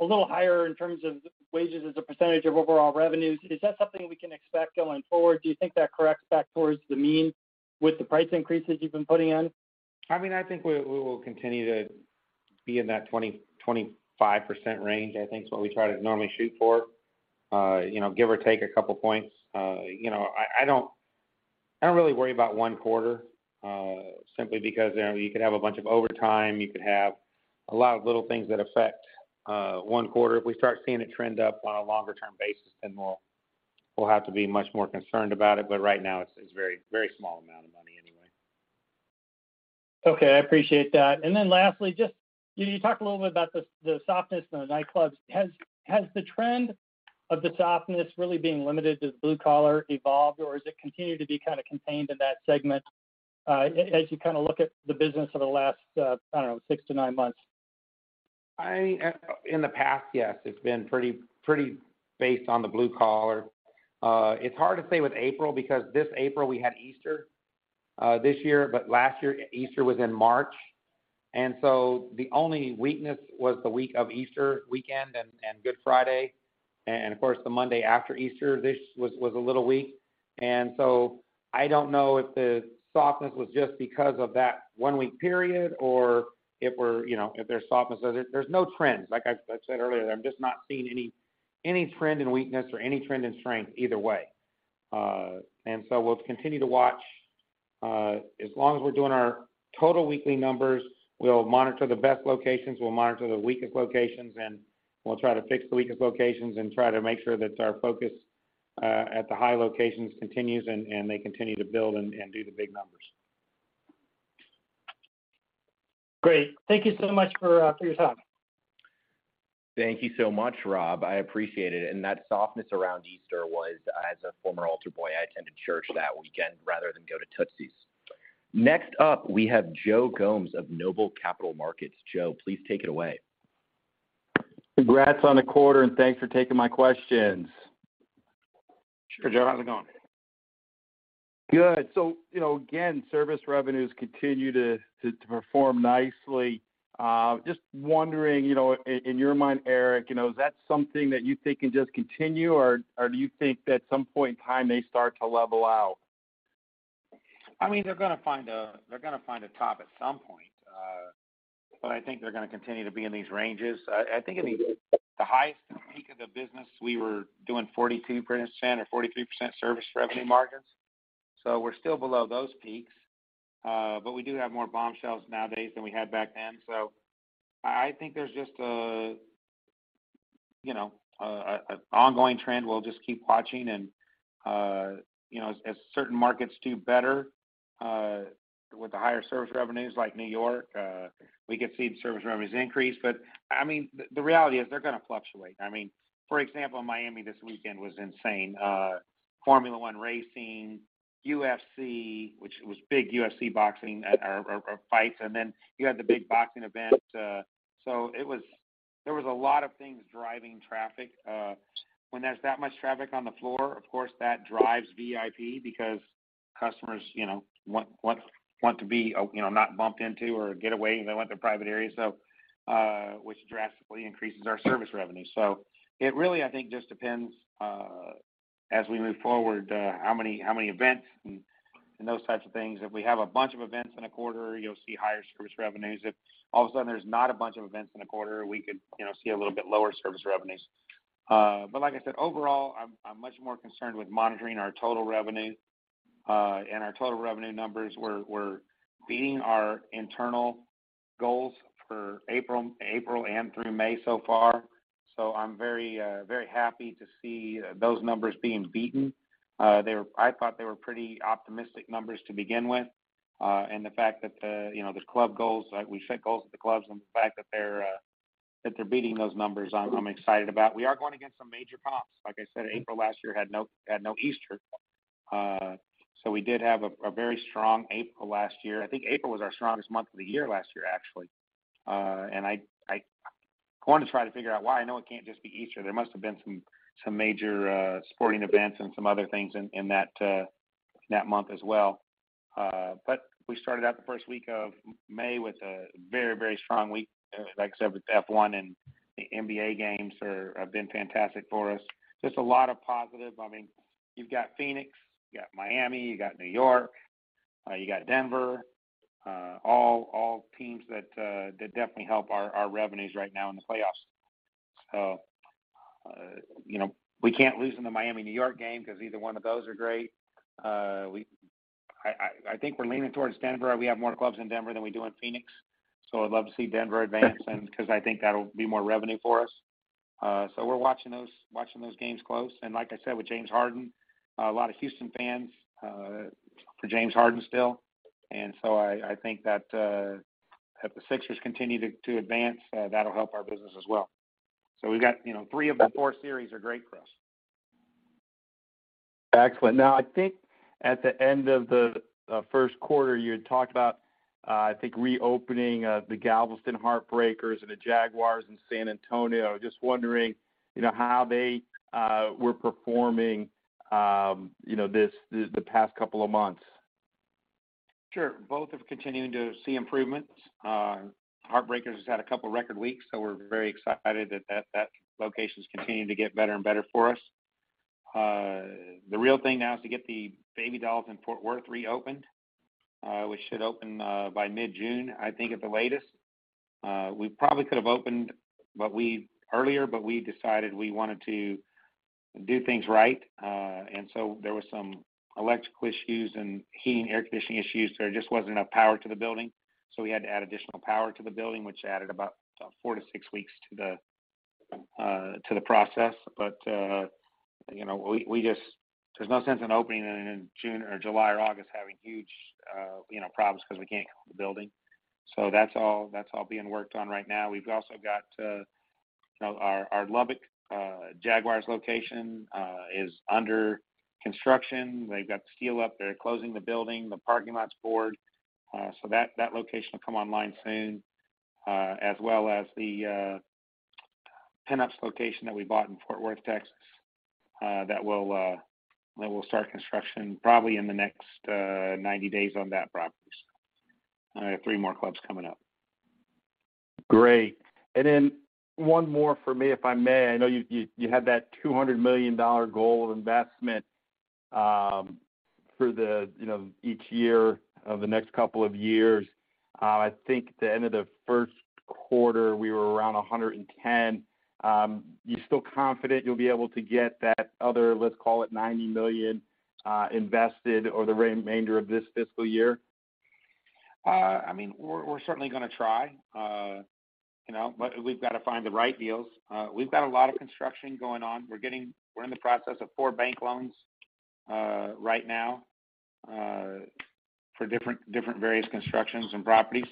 a little higher in terms of wages as a % of overall revenues. Is that something we can expect going forward? Do you think that corrects back towards the mean with the price increases you've been putting in? I mean, I think we will continue to be in that 20-25% range, I think is what we try to normally shoot for, you know, give or take a couple points. You know, I don't really worry about 1 quarter, simply because, you know, you could have a bunch of overtime, you could have a lot of little things that affect 1 quarter. If we start seeing a trend up on a longer term basis, then we'll have to be much more concerned about it. Right now it's very, very small amount of money anyway. Okay. I appreciate that. Lastly, just you talked a little bit about the softness in the nightclubs. Has the trend of the softness really being limited to blue collar evolved, or is it continued to be kind of contained in that segment, as you kind of look at the business for the last, I don't know, 6-9 months? In the past, yes, it's been pretty based on the blue collar. It's hard to say with April because this April we had Easter this year, but last year Easter was in March. The only weakness was the week of Easter weekend and Good Friday. Of course, the Monday after Easter, this was a little weak. I don't know if the softness was just because of that one-week period or if we're, you know, if there's softness. There's no trends. Like I said earlier, I'm just not seeing any trend in weakness or any trend in strength either way. We'll continue to watch. As long as we're doing our total weekly numbers, we'll monitor the best locations, we'll monitor the weakest locations, and we'll try to fix the weakest locations and try to make sure that our focus, at the high locations continues and they continue to build and do the big numbers. Great. Thank you so much for your time. Thank you so much, Rob. I appreciate it. That softness around Easter was, as a former altar boy, I attended church that weekend rather than go to Tootsie's. Next up, we have Joe Gomes of Noble Capital Markets. Joe, please take it away. Congrats on the quarter, and thanks for taking my questions. Sure, Joe. How's it going? Good. You know, again, service revenues continue to perform nicely. Just wondering, you know, in your mind, Eric, you know, is that something that you think can just continue or do you think that some point in time they start to level out? I mean, they're gonna find a top at some point. I think they're gonna continue to be in these ranges. I think in the highest peak of the business we were doing 42% or 43% service revenue margins. We're still below those peaks. We do have more Bombshells nowadays than we had back then. I think there's just a, you know, ongoing trend we'll just keep watching and, you know, as certain markets do better with the higher service revenues like New York, we could see the service revenues increase. I mean, the reality is they're gonna fluctuate. I mean, for example, Miami this weekend was insane. Formula One racing, UFC, which was big UFC boxing, or fights, you had the big boxing event. There was a lot of things driving traffic. When there's that much traffic on the floor, of course, that drives VIP because customers, you know, want to be, you know, not bumped into or get away if they want their private area. Which drastically increases our service revenue. It really, I think, just depends as we move forward, how many events and those types of things. If we have a bunch of events in a quarter, you'll see higher service revenues. If all of a sudden there's not a bunch of events in a quarter, we could, you know, see a little bit lower service revenues. Like I said, overall, I'm much more concerned with monitoring our total revenue. Our total revenue numbers. We're beating our internal goals for April and through May so far. I'm very happy to see those numbers being beaten. I thought they were pretty optimistic numbers to begin with. The fact that the, you know, the club goals, we set goals at the clubs and the fact that they're beating those numbers, I'm excited about. We are going against some major comps. Like I said, April last year had no Easter. We did have a very strong April last year. I think April was our strongest month of the year last year, actually. I going to try to figure out why. I know it can't just be Easter. There must have been some major sporting events and some other things in that month as well. We started out the first week of May with a very, very strong week. Like I said, with F1 and the NBA games have been fantastic for us. Just a lot of positive. I mean, you've got Phoenix, you've got Miami, you got New York, you got Denver, all teams that definitely help our revenues right now in the playoffs. You know, we can't lose in the Miami, New York game because either one of those are great. I think we're leaning towards Denver. We have more clubs in Denver than we do in Phoenix, I'd love to see Denver advance and because I think that'll be more revenue for us. We're watching those games close. Like I said, with James Harden, a lot of Houston fans for James Harden still. I think that if the Sixers continue to advance, that'll help our business as well. We've got, you know, three of the four series are great for us. Excellent. Now, I think at the end of the first quarter, you had talked about, I think reopening the Galveston Heartbreakers and the Jaguars in San Antonio. Just wondering, you know, how they were performing, you know, this, the past couple of months. Sure. Both have continuing to see improvements. Heartbreakers has had a couple record weeks, so we're very excited that location is continuing to get better and better for us. The real thing now is to get the Baby Dolls in Fort Worth reopened, which should open by mid-June, I think at the latest. We probably could have opened earlier, but we decided we wanted to do things right. There was some electrical issues and heating, air conditioning issues. There just wasn't enough power to the building, so we had to add additional power to the building, which added about 4 to 6 weeks to the process. you know, we just... There's no sense in opening in June or July or August, having huge, you know, problems because we can't cool the building. That's all, that's all being worked on right now. We've also got, you know, our Lubbock, Jaguars location is under construction. They've got the steel up. They're closing the building, the parking lot's board. That, that location will come online soon, as well as the Pin Ups location that we bought in Fort Worth, Texas, that we'll, that we'll start construction probably in the next 90 days on that property. I have three more clubs coming up. Great. One more for me, if I may. I know you had that $200 million goal of investment, for the, you know, each year of the next couple of years. I think at the end of the first quarter, we were around $110. You still confident you'll be able to get that other, let's call it $90 million, invested over the remainder of this fiscal year? I mean, we're certainly gonna try. You know, we've got to find the right deals. We've got a lot of construction going on. We're in the process of 4 bank loans right now for various constructions and properties.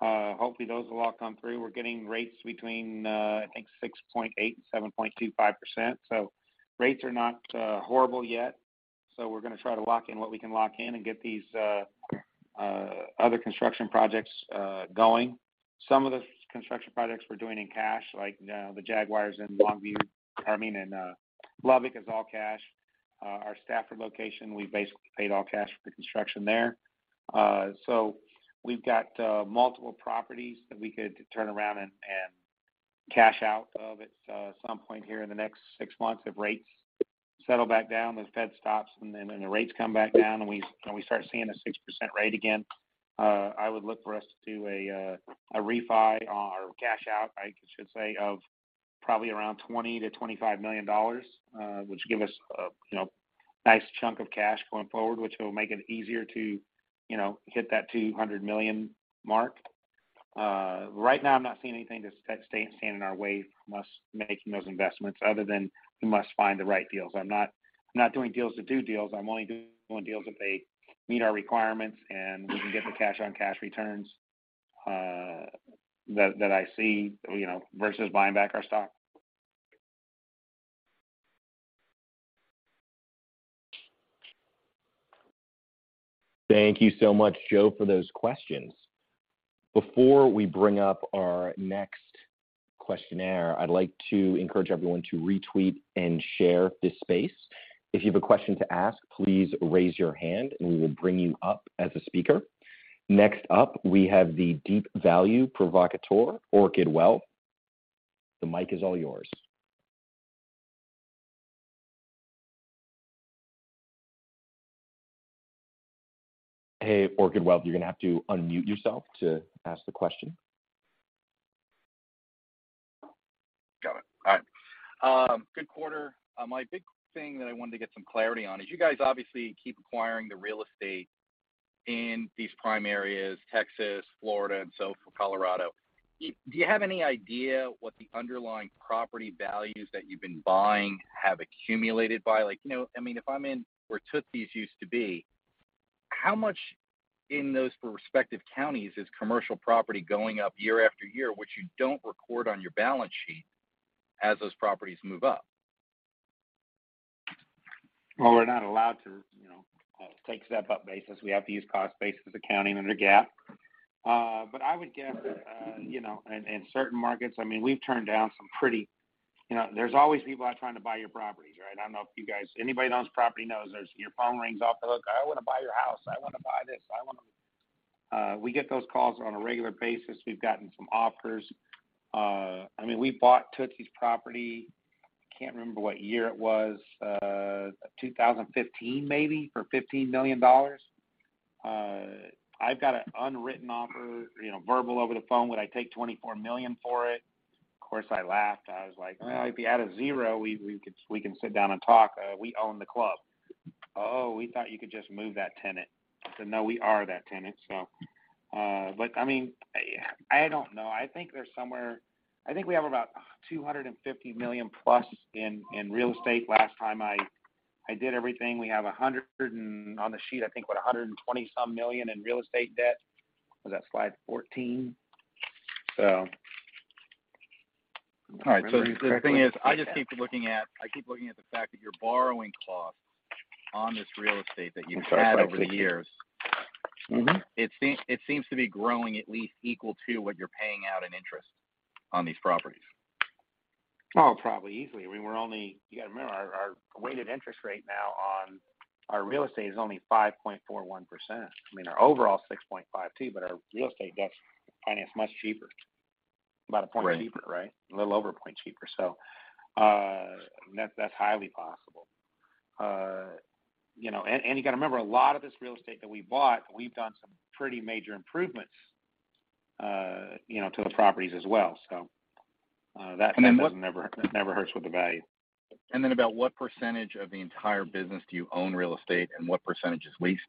Hopefully those will lock on through. We're getting rates between, I think 6.8% and 7.25%. Rates are not horrible yet. We're gonna try to lock in what we can lock in and get these other construction projects going. Some of the construction projects we're doing in cash, like the Jaguars in Lubbock, is all cash. Our Stafford location, we basically paid all cash for the construction there. we've got multiple properties that we could turn around and cash out of at some point here in the next six months. If rates settle back down, the Fed stops. When the rates come back down and we start seeing a 6% rate again, I would look for us to do a refi or cash out, I should say, of probably around $20 million-25 million, which give us a, you know, nice chunk of cash going forward, which will make it easier to, you know, hit that $200 million mark. Right now I'm not seeing anything that's standing in our way from us making those investments other than we must find the right deals. I'm not doing deals to do deals. I'm only doing deals if they meet our requirements, and we can get the cash-on-cash returns that I see, you know, versus buying back our stock. Thank you so much, Joe, for those questions. Before we bring up our next questionnaire, I'd like to encourage everyone to retweet and share this space. If you have a question to ask, please raise your hand and we will bring you up as a speaker. Next up, we have the deep value provocateur, Orchid Wealth. The mic is all yours. Hey, Orchid Wealth, you're gonna have to unmute yourself to ask the question. Got it. All right. Good quarter. My big thing that I wanted to get some clarity on is you guys obviously keep acquiring the real estate in these prime areas, Texas, Florida, Colorado. Do you have any idea what the underlying property values that you've been buying have accumulated by? Like, you know, I mean, if I'm in where Tootsie's used to be, how much in those respective counties is commercial property going up year after year, which you don't record on your balance sheet as those properties move up? We're not allowed to, you know, take step-up basis. We have to use cost basis accounting under GAAP. I would guess, you know, in certain markets. I mean, we've turned down some pretty. You know, there's always people out trying to buy your properties, right? I don't know if you guys. Anybody that owns property knows there's, your phone rings off the hook. "I wanna buy your house. I wanna buy this. I wanna." We get those calls on a regular basis. We've gotten some offers. I mean, we bought Tootsie's property, can't remember what year it was, 2015 maybe, for $15 million. I've got an unwritten offer, you know, verbal over the phone, would I take $24 million for it? Of course, I laughed. I was like, "Well, if you add a zero, we can sit down and talk. We own the club." "Oh, we thought you could just move that tenant." I said, "No, we are that tenant." I mean, I don't know. I think they're somewhere... I think we have about $250 million-plus in real estate last time I did everything. We have a hundred and... On the sheet, I think, what? $120-some million in real estate debt. Was that slide 14? All right. The thing is, I just keep looking at the fact that your borrowing cost on this real estate that you've had over the years- Mm-hmm. It seems to be growing at least equal to what you're paying out in interest on these properties. Oh, probably, easily. I mean, we're only. You gotta remember, our weighted interest rate now on our real estate is only 5.41%. I mean, our overall is 6.52%, but our real estate debt's finance much cheaper. About a point cheaper, right? A little over a point cheaper. That's highly possible. You know, you gotta remember, a lot of this real estate that we bought, we've done some pretty major improvements, you know, to the properties as well. That never hurts with the value. Then about what % of the entire business do you own real estate, and what % is leased?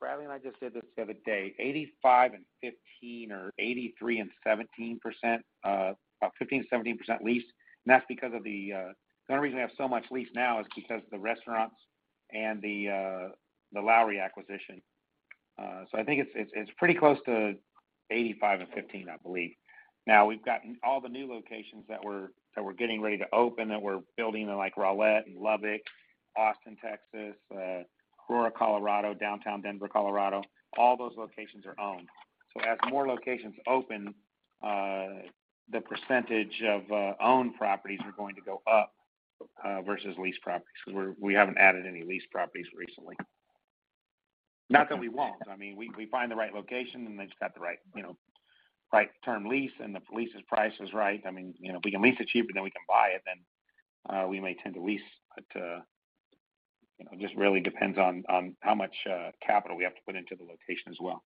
Bradley and I just did this the other day. 85 and 15%, or 83 and 17%. About 15-17% leased. The only reason we have so much leased now is because the restaurants and the Lowrie acquisition. I think it's pretty close to 85 and 15, I believe. We've got all the new locations that we're getting ready to open, that we're building in like Rowlett and Lubbock, Austin, Texas, Aurora, Colorado, downtown Denver, Colorado, all those locations are owned. As more locations open, the percentage of owned properties are going to go up versus leased properties, because we haven't added any leased properties recently. Not that we won't. I mean, we find the right location, and it's got the right, you know, right term lease, and the lease's price is right. I mean, you know, if we can lease it cheaper than we can buy it, we may tend to lease. You know, just really depends on how much capital we have to put into the location as well.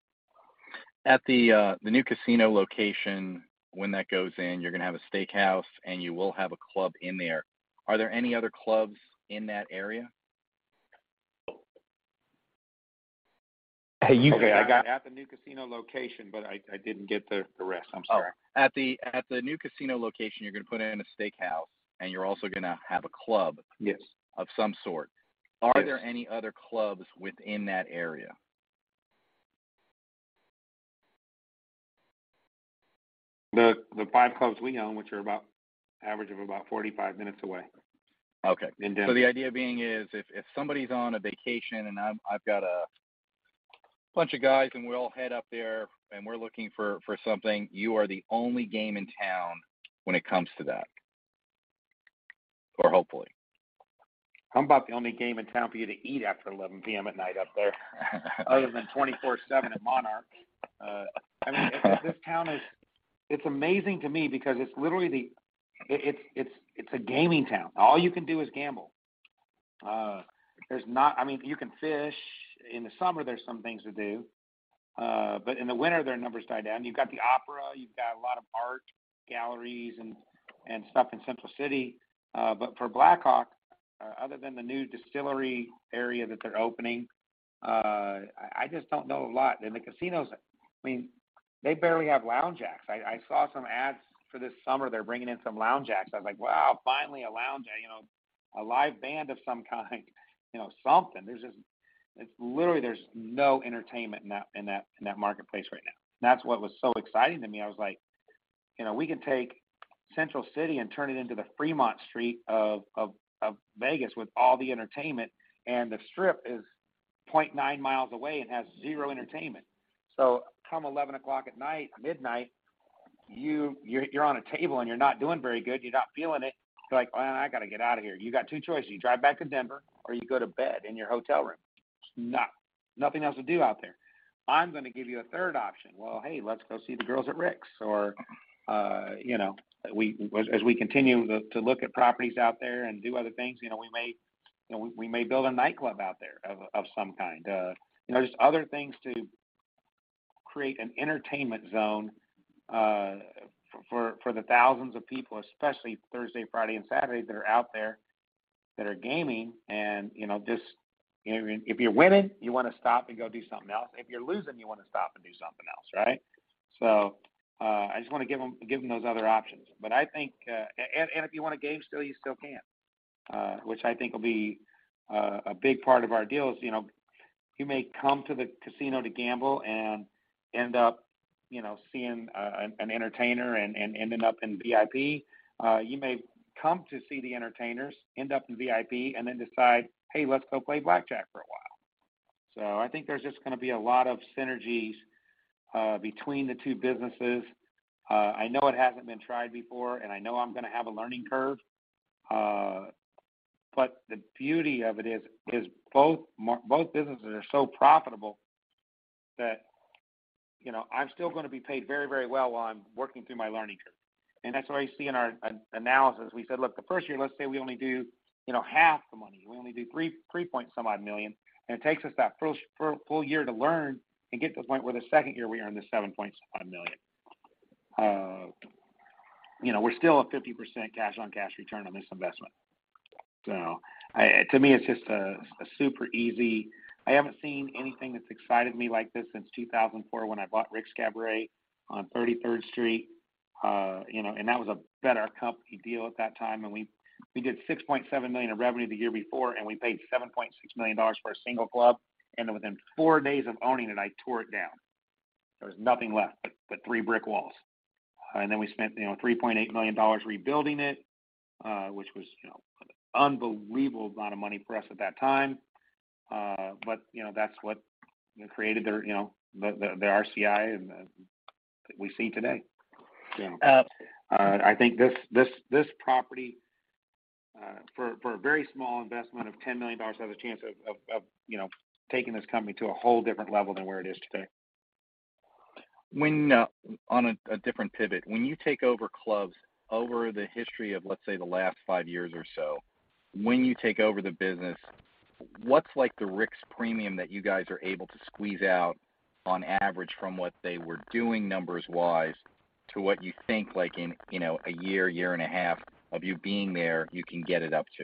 At the new casino location, when that goes in, you're gonna have a steakhouse, and you will have a club in there. Are there any other clubs in that area? Hey, you said, "At the new casino location," but I didn't get the rest. I'm sorry. Oh. At the new casino location, you're gonna put in a steakhouse, and you're also gonna have a club... Yes of some sort. Yes. Are there any other clubs within that area? The 5 clubs we own, which are about average of about 45 minutes away. Okay. In Denver. The idea being is if somebody's on a vacation, and I've got a bunch of guys, and we all head up there, and we're looking for something, you are the only game in town when it comes to that. Or hopefully. I'm about the only game in town for you to eat after 11:00 P.M. at night up there. Other than 24/7 at Monarch. I mean, this town is. It's amazing to me because it's literally the. It's a gaming town. All you can do is gamble. I mean, you can fish. In the summer, there's some things to do. In the winter, their numbers die down. You've got the opera. You've got a lot of art galleries and stuff in Central City. For Black Hawk, other than the new distillery area that they're opening, I just don't know a lot. The casinos, I mean, they barely have lounge acts. I saw some ads for this summer. They're bringing in some lounge acts. I was like, "Wow, finally a lounge act, you know, a live band of some kind." You know, something. There's just. It's literally there's no entertainment in that marketplace right now. That's what was so exciting to me. I was like. You know, we can take Central City and turn it into the Fremont Street of Vegas with all the entertainment. The Strip is 0.9 miles away and has 0 entertainment. Come 11:00 at night, midnight, you're on a table, and you're not doing very good, you're not feeling it. You're like, "Man, I gotta get out of here." You got two choices: You drive back to Denver, or you go to bed in your hotel room. There's nothing else to do out there. I'm gonna give you a 3rd option. Well, hey, let's go see the girls at Rick's, or, you know, as we continue to look at properties out there and do other things, you know, we may, you know, we may build a nightclub out there of some kind. You know, just other things to create an entertainment zone for the thousands of people, especially Thursday, Friday and Saturday, that are out there that are gaming and, you know. You know, if you're winning, you wanna stop and go do something else. If you're losing, you wanna stop and do something else, right? I just wanna give them those other options. I think. If you wanna game still, you still can, which I think will be a big part of our deal is, you know, you may come to the casino to gamble and end up, you know, seeing an entertainer and ending up in VIP. You may come to see the entertainers, end up in VIP, and then decide, "Hey, let's go play blackjack for a while." I think there's just gonna be a lot of synergies between the two businesses. I know it hasn't been tried before, and I know I'm gonna have a learning curve. The beauty of it is, both businesses are so profitable that, you know, I'm still gonna be paid very, very well while I'm working through my learning curve. That's why you see in our analysis, we said, look, the first year, let's say, we only do, you know, half the money. We only do $3-point some odd million, and it takes us that first full year to learn and get to the point where the second year we earn the $7-point some odd million. you know, we're still at 50% cash on cash return on this investment. To me, it's just a super easy... I haven't seen anything that's excited me like this since 2004 when I bought Rick's Cabaret on 33rd Street. You know, that was a better company deal at that time, and we did $6.7 million in revenue the year before, and we paid $7.6 million for a single club, and within four days of owning it, I tore it down. There was nothing left but three brick walls. Then we spent, you know, $3.8 million rebuilding it, which was, you know, an unbelievable amount of money for us at that time. But, you know, that's what created their, you know, the RCI and the... that we see today. I think this property, for a very small investment of $10 million, has a chance of, you know, taking this company to a whole different level than where it is today. On a different pivot. When you take over clubs over the history of, let's say, the last 5 years or so, when you take over the business, what's like the Rick's premium that you guys are able to squeeze out on average from what they were doing numbers-wise to what you think, like in, a year, 1 and a half of you being there, you can get it up to?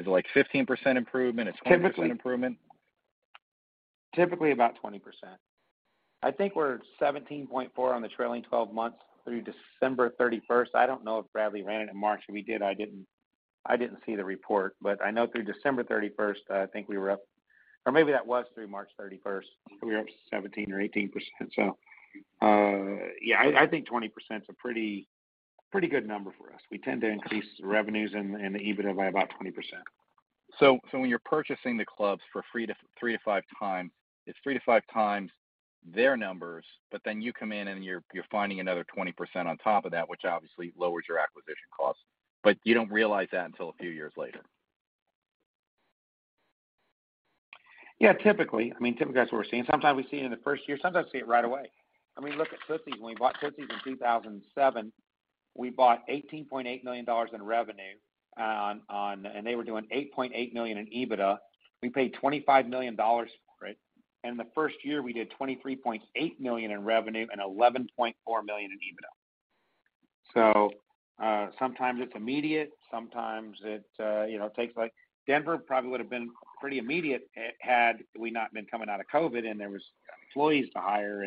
Is it like 15% improvement? Typically- It's 20% improvement? Typically about 20%. I think we're at 17.4 on the trailing 12 months through December 31st. I don't know if Bradley ran it in March. If he did, I didn't see the report, but I know through December 31st, I think we were up... Or maybe that was through March 31st. We were up 17 or 18%. Okay I think 20% is a pretty good number for us. We tend to increase revenues and the EBITDA by about 20%. When you're purchasing the clubs for 3-5 times, it's 3-5 times their numbers, you come in, and you're finding another 20% on top of that, which obviously lowers your acquisition costs. You don't realize that until a few years later. Yeah. Typically, I mean, typically that's what we're seeing. Sometimes we see it in the first year. Sometimes we see it right away. I mean, look at Tootsie's. When we bought Tootsie's in 2007, we bought $18.8 million in revenue on. They were doing $8.8 million in EBITDA. We paid $25 million for it. The first year, we did $23.8 million in revenue and $11.4 million in EBITDA. Sometimes it's immediate, sometimes it, you know, takes like. Denver probably would've been pretty immediate had we not been coming out of COVID, there was employees to hire.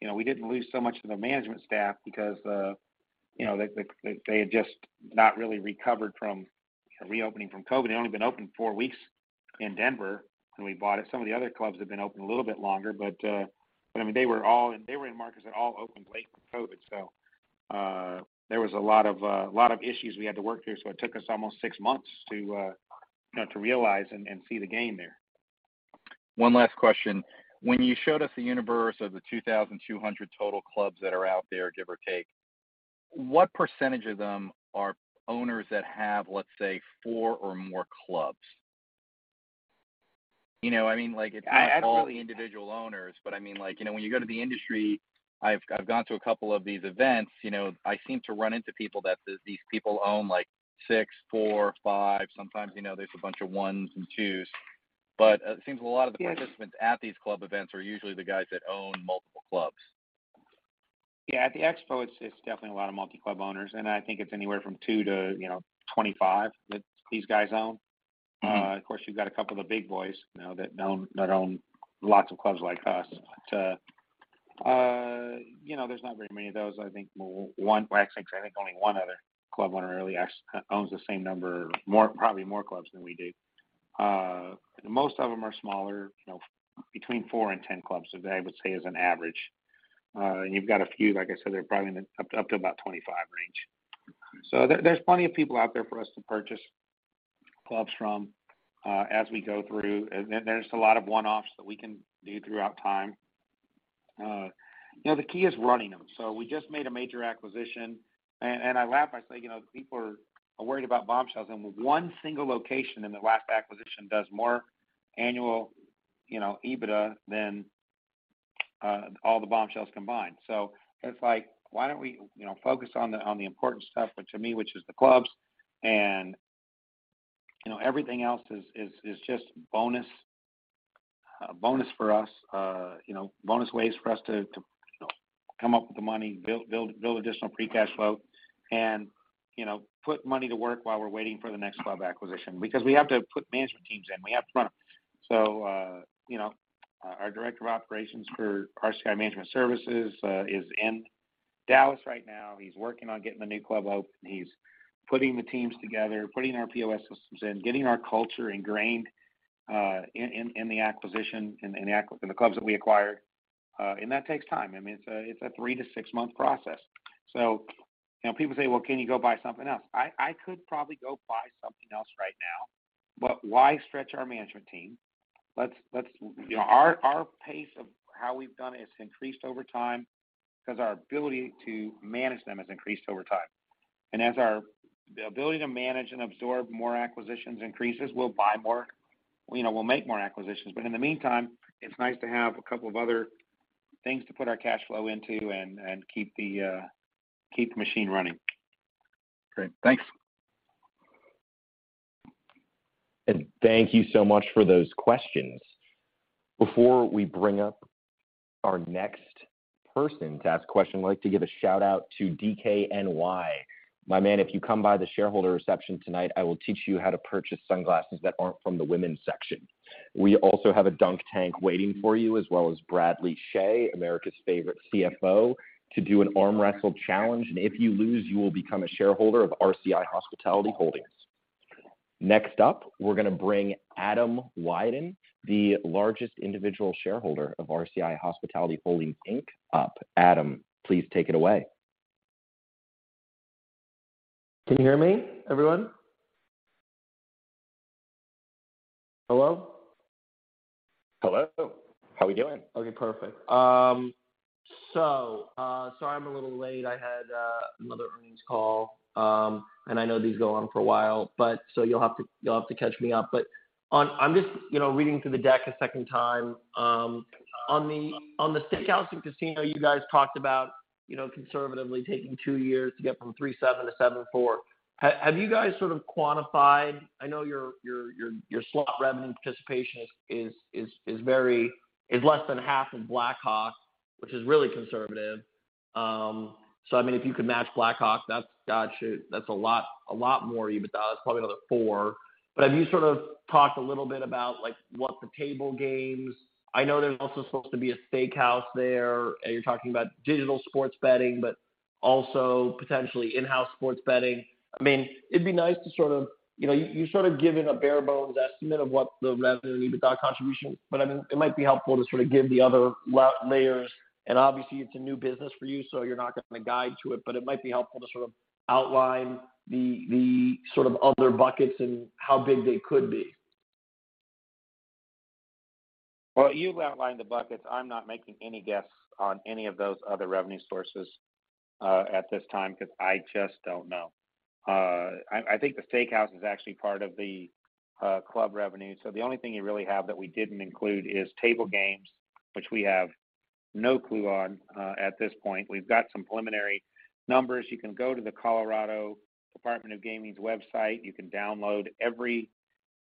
You know, we didn't lose so much of the management staff because, you know, they had just not really recovered from reopening from COVID. They'd only been open four weeks in Denver when we bought it. Some of the other clubs had been open a little bit longer, I mean, They were in markets that all opened late from COVID. There was a lot of issues we had to work through, it took us almost six months to, you know, to realize and see the gain there. One last question. When you showed us the universe of the 2,200 total clubs that are out there, give or take, what % of them are owners that have, let's say, four or more clubs? You know, I mean, like it's- I-... not all individual owners, but I mean, like, you know, when you go to the industry, I've gone to a couple of these events. You know, I seem to run into people that these people own, like six, four, five. Sometimes, you know, there's a bunch of ones and twos. It seems a lot of. Yes... participants at these club events are usually the guys that own multiple clubs. Yeah. At the EXPO, it's definitely a lot of multi-club owners, I think it's anywhere from 2 to, you know, 25 that these guys own. Mm-hmm. Of course, you've got a couple of the big boys, you know, that own, that own lots of clubs like us. You know, there's not very many of those. I think only one other club owner really owns the same number or more, probably more clubs than we do. Most of them are smaller, you know-Between 4 and 10 clubs, I would say is an average. You've got a few, like I said, they're probably in the up to about 25 range. There's plenty of people out there for us to purchase clubs from as we go through. There's a lot of one-offs that we can do throughout time. You know, the key is running them. We just made a major acquisition, and I laugh, I say, you know, people are worried about Bombshells, and 1 single location in the last acquisition does more annual, you know, EBITDA than all the Bombshells combined. It's like, why don't we, you know, focus on the important stuff, which to me, which is the clubs, and, you know, everything else is just bonus for us. You know, bonus ways for us to, you know, come up with the money, build additional free cash flow and, you know, put money to work while we're waiting for the next club acquisition. We have to put management teams in, we have to run them. You know, our director of operations for RCI Management Services is in Dallas right now. He's working on getting the new club open. He's putting the teams together, putting our POS systems in, getting our culture ingrained in the acquisition, in the clubs that we acquired. That takes time. I mean, it's a 3-6 month process. You know, people say, "Well, can you go buy something else?" I could probably go buy something else right now, but why stretch our management team? You know, our pace of how we've done it has increased over time because our ability to manage them has increased over time. As our ability to manage and absorb more acquisitions increases, we'll buy more. You know, we'll make more acquisitions. In the meantime, it's nice to have a couple of other things to put our cash flow into and keep the machine running. Great. Thanks. Thank you so much for those questions. Before we bring up our next person to ask a question, I'd like to give a shout-out to DKNY. My man, if you come by the shareholder reception tonight, I will teach you how to purchase sunglasses that aren't from the women's section. We also have a dunk tank waiting for you, as well as Bradley Chhay, America's favorite CFO, to do an arm wrestle challenge. If you lose, you will become a shareholder of RCI Hospitality Holdings. Next up, we're gonna bring Adam Wyden, the largest individual shareholder of RCI Hospitality Holdings, Inc., up. Adam, please take it away. Can you hear me, everyone? Hello? Hello. How we doing? Okay, perfect. Sorry I'm a little late. I had another earnings call. I know these go on for a while, you'll have to catch me up. I'm just, you know, reading through the deck a second time. On the Steakhouse and Casino, you guys talked about, you know, conservatively taking 2 years to get from 3-7 to 7-4. Have you guys sort of quantified? I know your slot revenue participation is very, is less than half of Black Hawk, which is really conservative. I mean, if you could match Black Hawk, that's God, shoot, that's a lot more EBITDA. That's probably another $4. Have you sort of talked a little bit about like what the table games... I know there's also supposed to be a steakhouse there, and you're talking about digital sports betting, but also potentially in-house sports betting. I mean, it'd be nice to sort of... You know, you sort of give it a bare bones estimate of what the revenue and EBITDA contribution. I mean, it might be helpful to sort of give the other layers. Obviously, it's a new business for you, so you're not gonna guide to it. It might be helpful to sort of outline the sort of other buckets and how big they could be. Well, you've outlined the buckets. I'm not making any guess on any of those other revenue sources at this time, because I just don't know. I think the steakhouse is actually part of the club revenue. The only thing you really have that we didn't include is table games, which we have no clue on at this point. We've got some preliminary numbers. You can go to the Colorado Division of Gaming's website. You can download every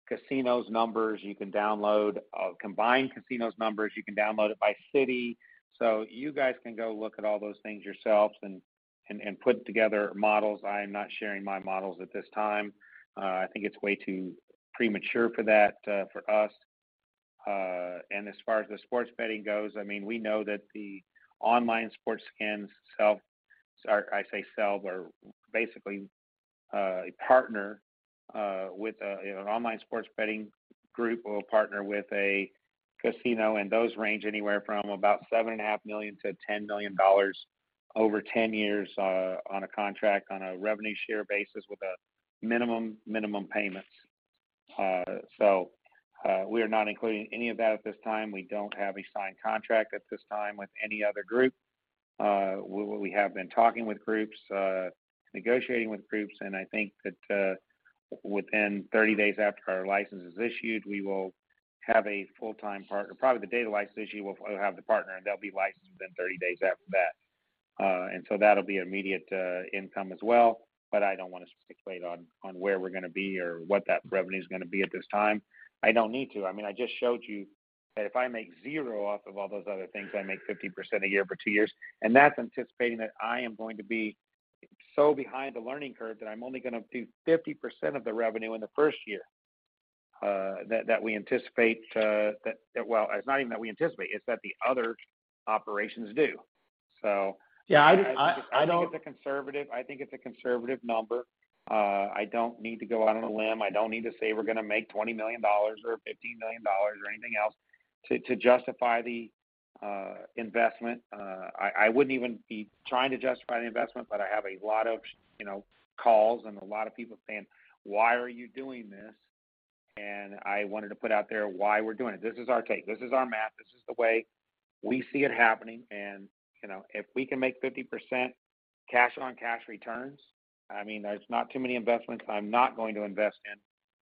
casino's numbers. You can download combined casino's numbers. You can download it by city. You guys can go look at all those things yourselves and put together models. I am not sharing my models at this time. I think it's way too premature for that for us. As far as the sports betting goes, I mean, we know that the online sports skins sell... or I say sell, but basically, a partner with an online sports betting group will partner with a casino, and those range anywhere from about $7.5 million-10 million over 10 years on a contract on a revenue share basis with a minimum payments. We are not including any of that at this time. We don't have a signed contract at this time with any other group. We have been talking with groups, negotiating with groups, and I think that within 30 days after our license is issued, we will have a full-time partner. Probably, the day the license is issued, we'll have the partner, and they'll be licensed within 30 days after that. That'll be immediate income as well. I don't want to speculate on where we're gonna be or what that revenue is gonna be at this time. I don't need to. I mean, I just showed you that if I make 0 off of all those other things, I make 50% a year for 2 years. That's anticipating that I am going to be so behind the learning curve that I'm only gonna do 50% of the revenue in the first year that we anticipate. Well, it's not even that we anticipate. It's that the other operations do. Yeah, I. I think it's a conservative number. I don't need to go out on a limb. I don't need to say we're gonna make $20 million or $15 million or anything else to justify the investment. I wouldn't even be trying to justify the investment, but I have a lot of, you know, calls and a lot of people saying, "Why are you doing this?" I wanted to put out there why we're doing it. This is our take. This is our math. This is the way we see it happening. You know, if we can make 50% cash-on-cash returns, I mean, there's not too many investments I'm not going to invest in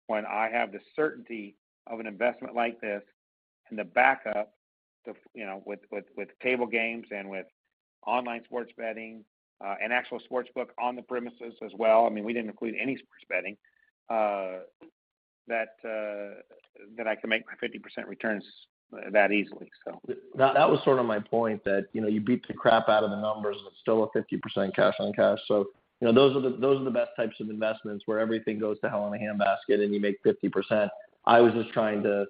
when I have the certainty of an investment like this and the backup of, you know, with table games and with online sports betting and actual sports book on the premises as well. I mean, we didn't include any sports betting that I can make my 50% returns that easily, so. That was sort of my point that, you know, you beat the crap out of the numbers and it's still a 50% cash-on-cash. You know, those are the best types of investments where everything goes to hell in a handbasket and you make 50%. I was just trying to,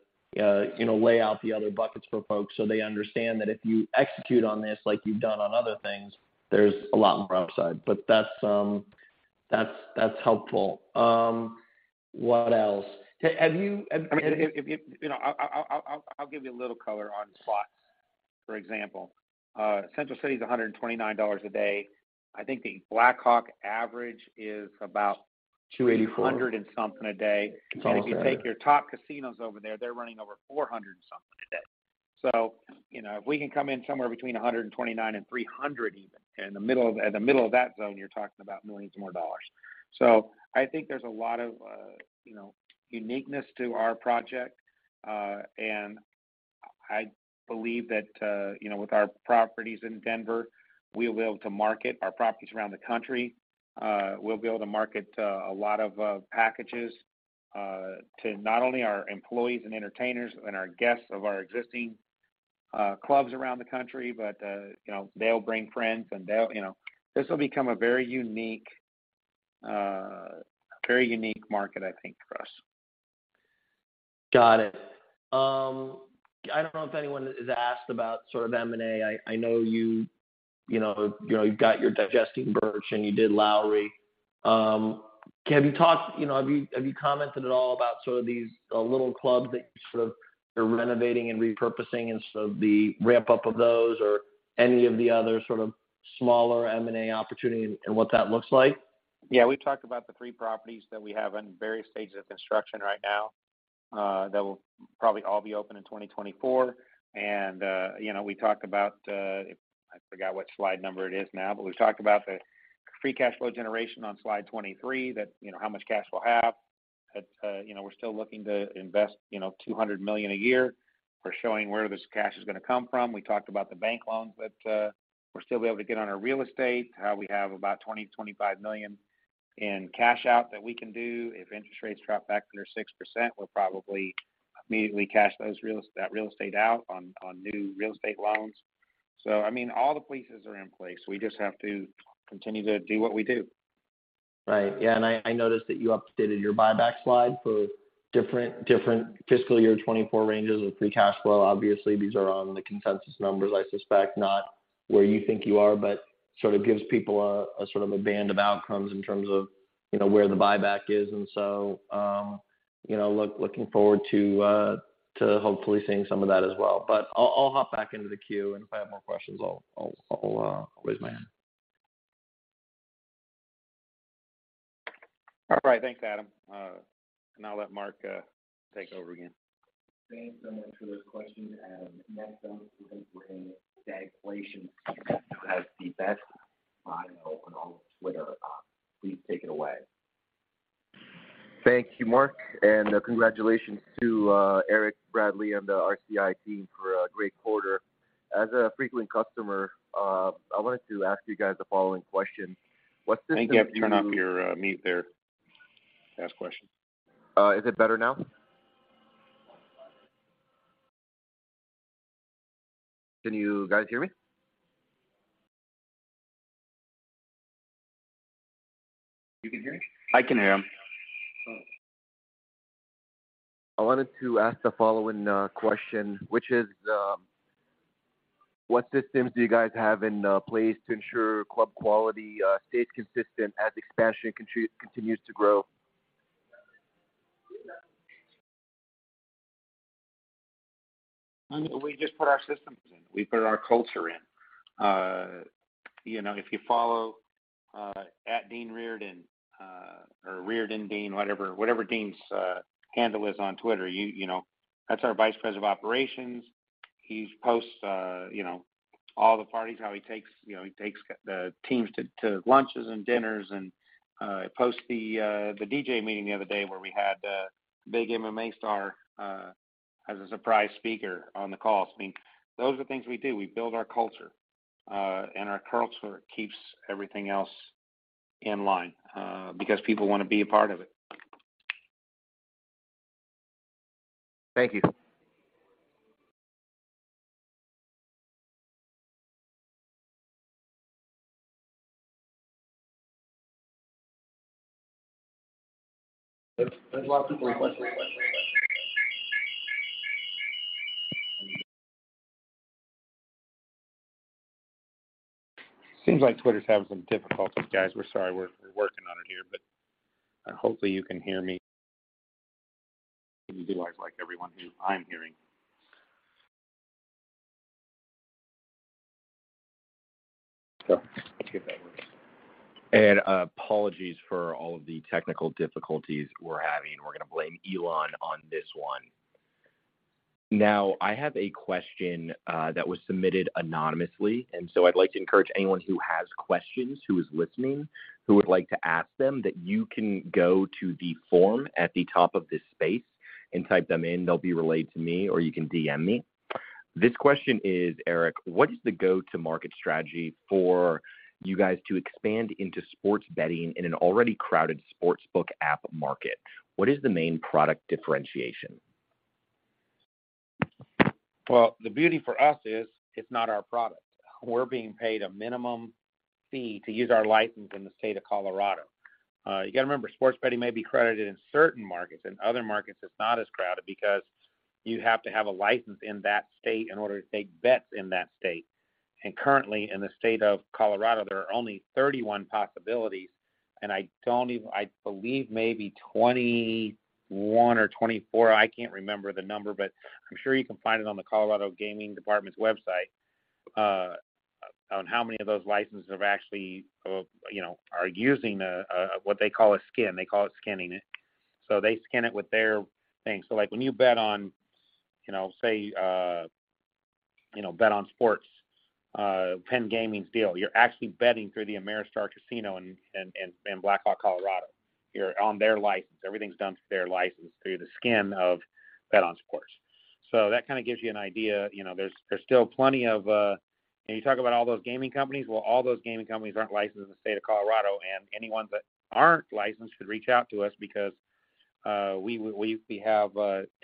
you know, lay out the other buckets for folks so they understand that if you execute on this like you've done on other things, there's a lot more upside. That's helpful. What else? Have you... I mean, if, you know, I'll give you a little color on slots, for example. Central City is $129 a day. I think the Black Hawk average is about... $284. 100 and something a day. It's always that. If you take your top casinos over there, they're running over 400 and something a day. You know, if we can come in somewhere between 129 and 300 even, in the middle of that zone, you're talking about millions more dollars. I think there's a lot of, you know, uniqueness to our project. I believe that, you know, with our properties in Denver, we'll be able to market our properties around the country. We'll be able to market a lot of packages to not only our employees and entertainers and our guests of our existing clubs around the country, but, you know, they'll bring friends and they'll, you know. This will become a very unique, very unique market, I think, for us. Got it. I don't know if anyone has asked about sort of M&A. I know you know you've got your digesting Birch and you did Lowrie. You know, have you commented at all about sort of these little clubs that you sort of are renovating and repurposing and sort of the ramp-up of those or any of the other sort of smaller M&A opportunity and what that looks like? Yeah. We've talked about the three properties that we have in various stages of construction right now, that will probably all be open in 2024. We talked about, I forgot what slide number it is now, but we've talked about the free cash flow generation on slide 23, that, you know, how much cash we'll have. We're still looking to invest, you know, $200 million a year. We're showing where this cash is gonna come from. We talked about the bank loans that, we'll still be able to get on our real estate, how we have about $20 million-25 million in cash out that we can do. If interest rates drop back under 6%, we'll probably immediately cash those that real estate out on new real estate loans. I mean, all the pieces are in place. We just have to continue to do what we do. Right. Yeah. I noticed that you updated your buyback slide for different fiscal year 24 ranges with free cash flow. Obviously, these are on the consensus numbers, I suspect, not where you think you are, but sort of gives people a sort of a band of outcomes in terms of, you know, where the buyback is. You know, looking forward to hopefully seeing some of that as well. I'll hop back into the queue, and if I have more questions, I'll raise my hand. All right. Thanks, Adam. I'll let Mark take over again. Thanks so much for those questions, Adam. Next up, we have Brian Stagflation, who has the best bio on all of Twitter. Please take it away. Thank you, Mark. Congratulations to Eric, Bradley, and the RCI team for a great quarter. As a frequent customer, I wanted to ask you guys the following question. I think you have to turn off your mute there to ask questions. Is it better now? Can you guys hear me? You can hear him? I can hear him. I wanted to ask the following question, which is, what systems do you guys have in place to ensure club quality stays consistent as expansion continues to grow? We just put our systems in. We put our culture in. you know, if you follow @ReardonDean1 or ReardonDean1, whatever Dean's handle is on Twitter, you know, that's our Vice President of Operations. He posts, you know, all the parties, how he takes, you know, he takes the teams to lunches and dinners, and he posts the DJ meeting the other day where we had a big MMA star as a surprise speaker on the call. I mean, those are the things we do. We build our culture. Our culture keeps everything else in line, because people wanna be a part of it. Thank you. There's a lot of people requesting. Seems like Twitter's having some difficulties, guys. We're sorry. We're working on it here, but, hopefully you can hear me. You do sound like everyone who I'm hearing. Let's see if that works. Apologies for all of the technical difficulties we're having. We're gonna blame Elon on this one. I have a question, that was submitted anonymously, and so I'd like to encourage anyone who has questions who is listening who would like to ask them that you can go to the form at the top of this space and type them in. They'll be relayed to me, or you can DM me. This question is, Eric: What is the go-to-market strategy for you guys to expand into sports betting in an already crowded sports book app market? What is the main product differentiation? The beauty for us is it's not our product. We're being paid a minimum fee to use our license in the state of Colorado. You got to remember, sports betting may be credited in certain markets. In other markets, it's not as crowded because you have to have a license in that state in order to take bets in that state. Currently in the state of Colorado, there are only 31 possibilities, I believe maybe 21 or 24, I can't remember the number, but I'm sure you can find it on the Colorado Division of Gaming's website, on how many of those licenses have actually, you know, are using what they call a skin. They call it skinning it. They skin it with their thing. Like, when you bet on, you know, say, you know, BetOnSports, PENN Entertainment's deal, you're actually betting through the Ameristar Black Hawk in Black Hawk, Colorado. You're on their license. Everything's done through their license, through the skin of BetOnSports. That kinda gives you an idea. You know, there's still plenty of... You know, you talk about all those gaming companies, well, all those gaming companies aren't licensed in the state of Colorado, and anyone that aren't licensed should reach out to us because we have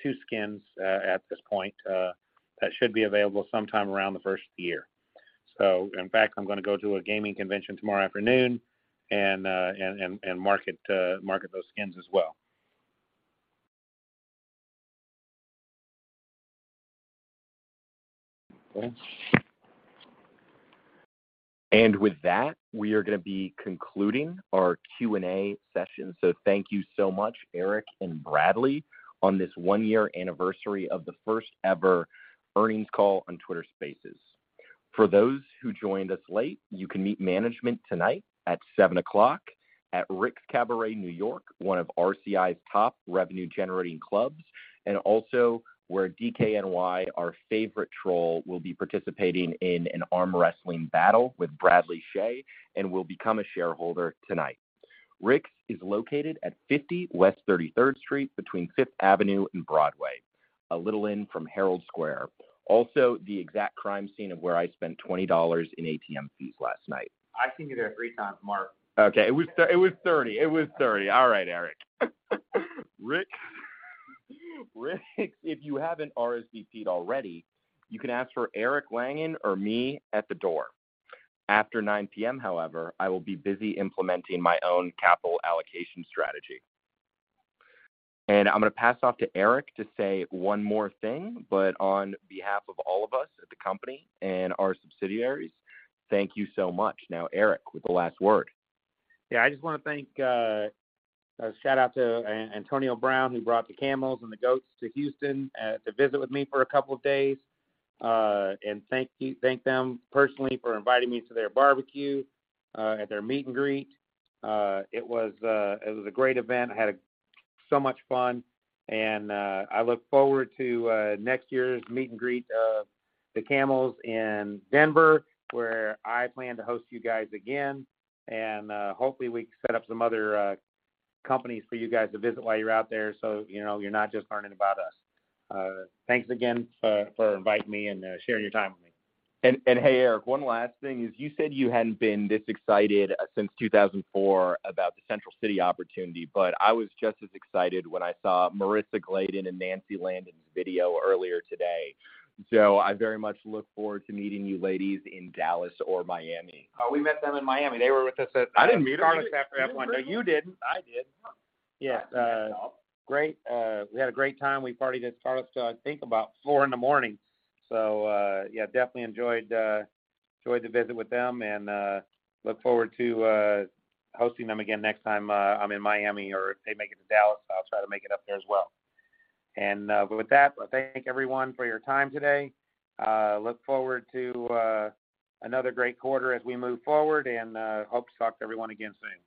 two skins at this point that should be available sometime around the first of the year. In fact, I'm gonna go to a gaming convention tomorrow afternoon and market those skins as well. With that, we are gonna be concluding our Q&A session. Thank you so much, Eric and Bradley, on this one-year anniversary of the first-ever earnings call on Twitter Spaces. For those who joined us late, you can meet management tonight at 7:00 P.M. at Rick's Cabaret New York, one of RCI's top revenue-generating clubs, and also where DKNY, our favorite troll, will be participating in an arm wrestling battle with Bradley Chhay and will become a shareholder tonight. Rick's is located at 50 West 33rd Street between Fifth Avenue and Broadway, a little in from Herald Square. The exact crime scene of where I spent $20 in ATM fees last night. I've seen you there three times, Mark. Okay. It was 30. All right, Eric. Rick's, if you haven't RSVP'd already, you can ask for Eric Langan or me at the door. After 9:00 P.M., however, I will be busy implementing my own capital allocation strategy. I'm gonna pass off to Eric to say one more thing, but on behalf of all of us at the company and our subsidiaries, thank you so much. Now, Eric, with the last word. Yeah. I just wanna thank A shout-out to Antonio Brown, who brought the Camels and the goats to Houston to visit with me for a couple of days, and thank them personally for inviting me to their barbecue at their meet and greet. It was a great event. I had so much fun, and I look forward to next year's meet and greet of the Camels in Denver, where I plan to host you guys again. Hopefully we can set up some other companies for you guys to visit while you're out there so, you know, you're not just learning about us. Thanks again for inviting me and sharing your time with me. Hey, Eric, one last thing is you said you hadn't been this excited since 2004 about the Central City opportunity, but I was just as excited when I saw Marissa Glodden and Nancy Landa video earlier today. I very much look forward to meeting you ladies in Dallas or Miami. Oh, we met them in Miami. They were with us. I didn't meet them. at Carbone after F1. No, you didn't. I did. Oh. Yeah. Great. We had a great time. We partied at Carbone till I think about four in the morning. Yeah, definitely enjoyed the visit with them and look forward to hosting them again next time I'm in Miami, or if they make it to Dallas, I'll try to make it up there as well. With that, thank everyone for your time today. Look forward to another great quarter as we move forward and hope to talk to everyone again soon.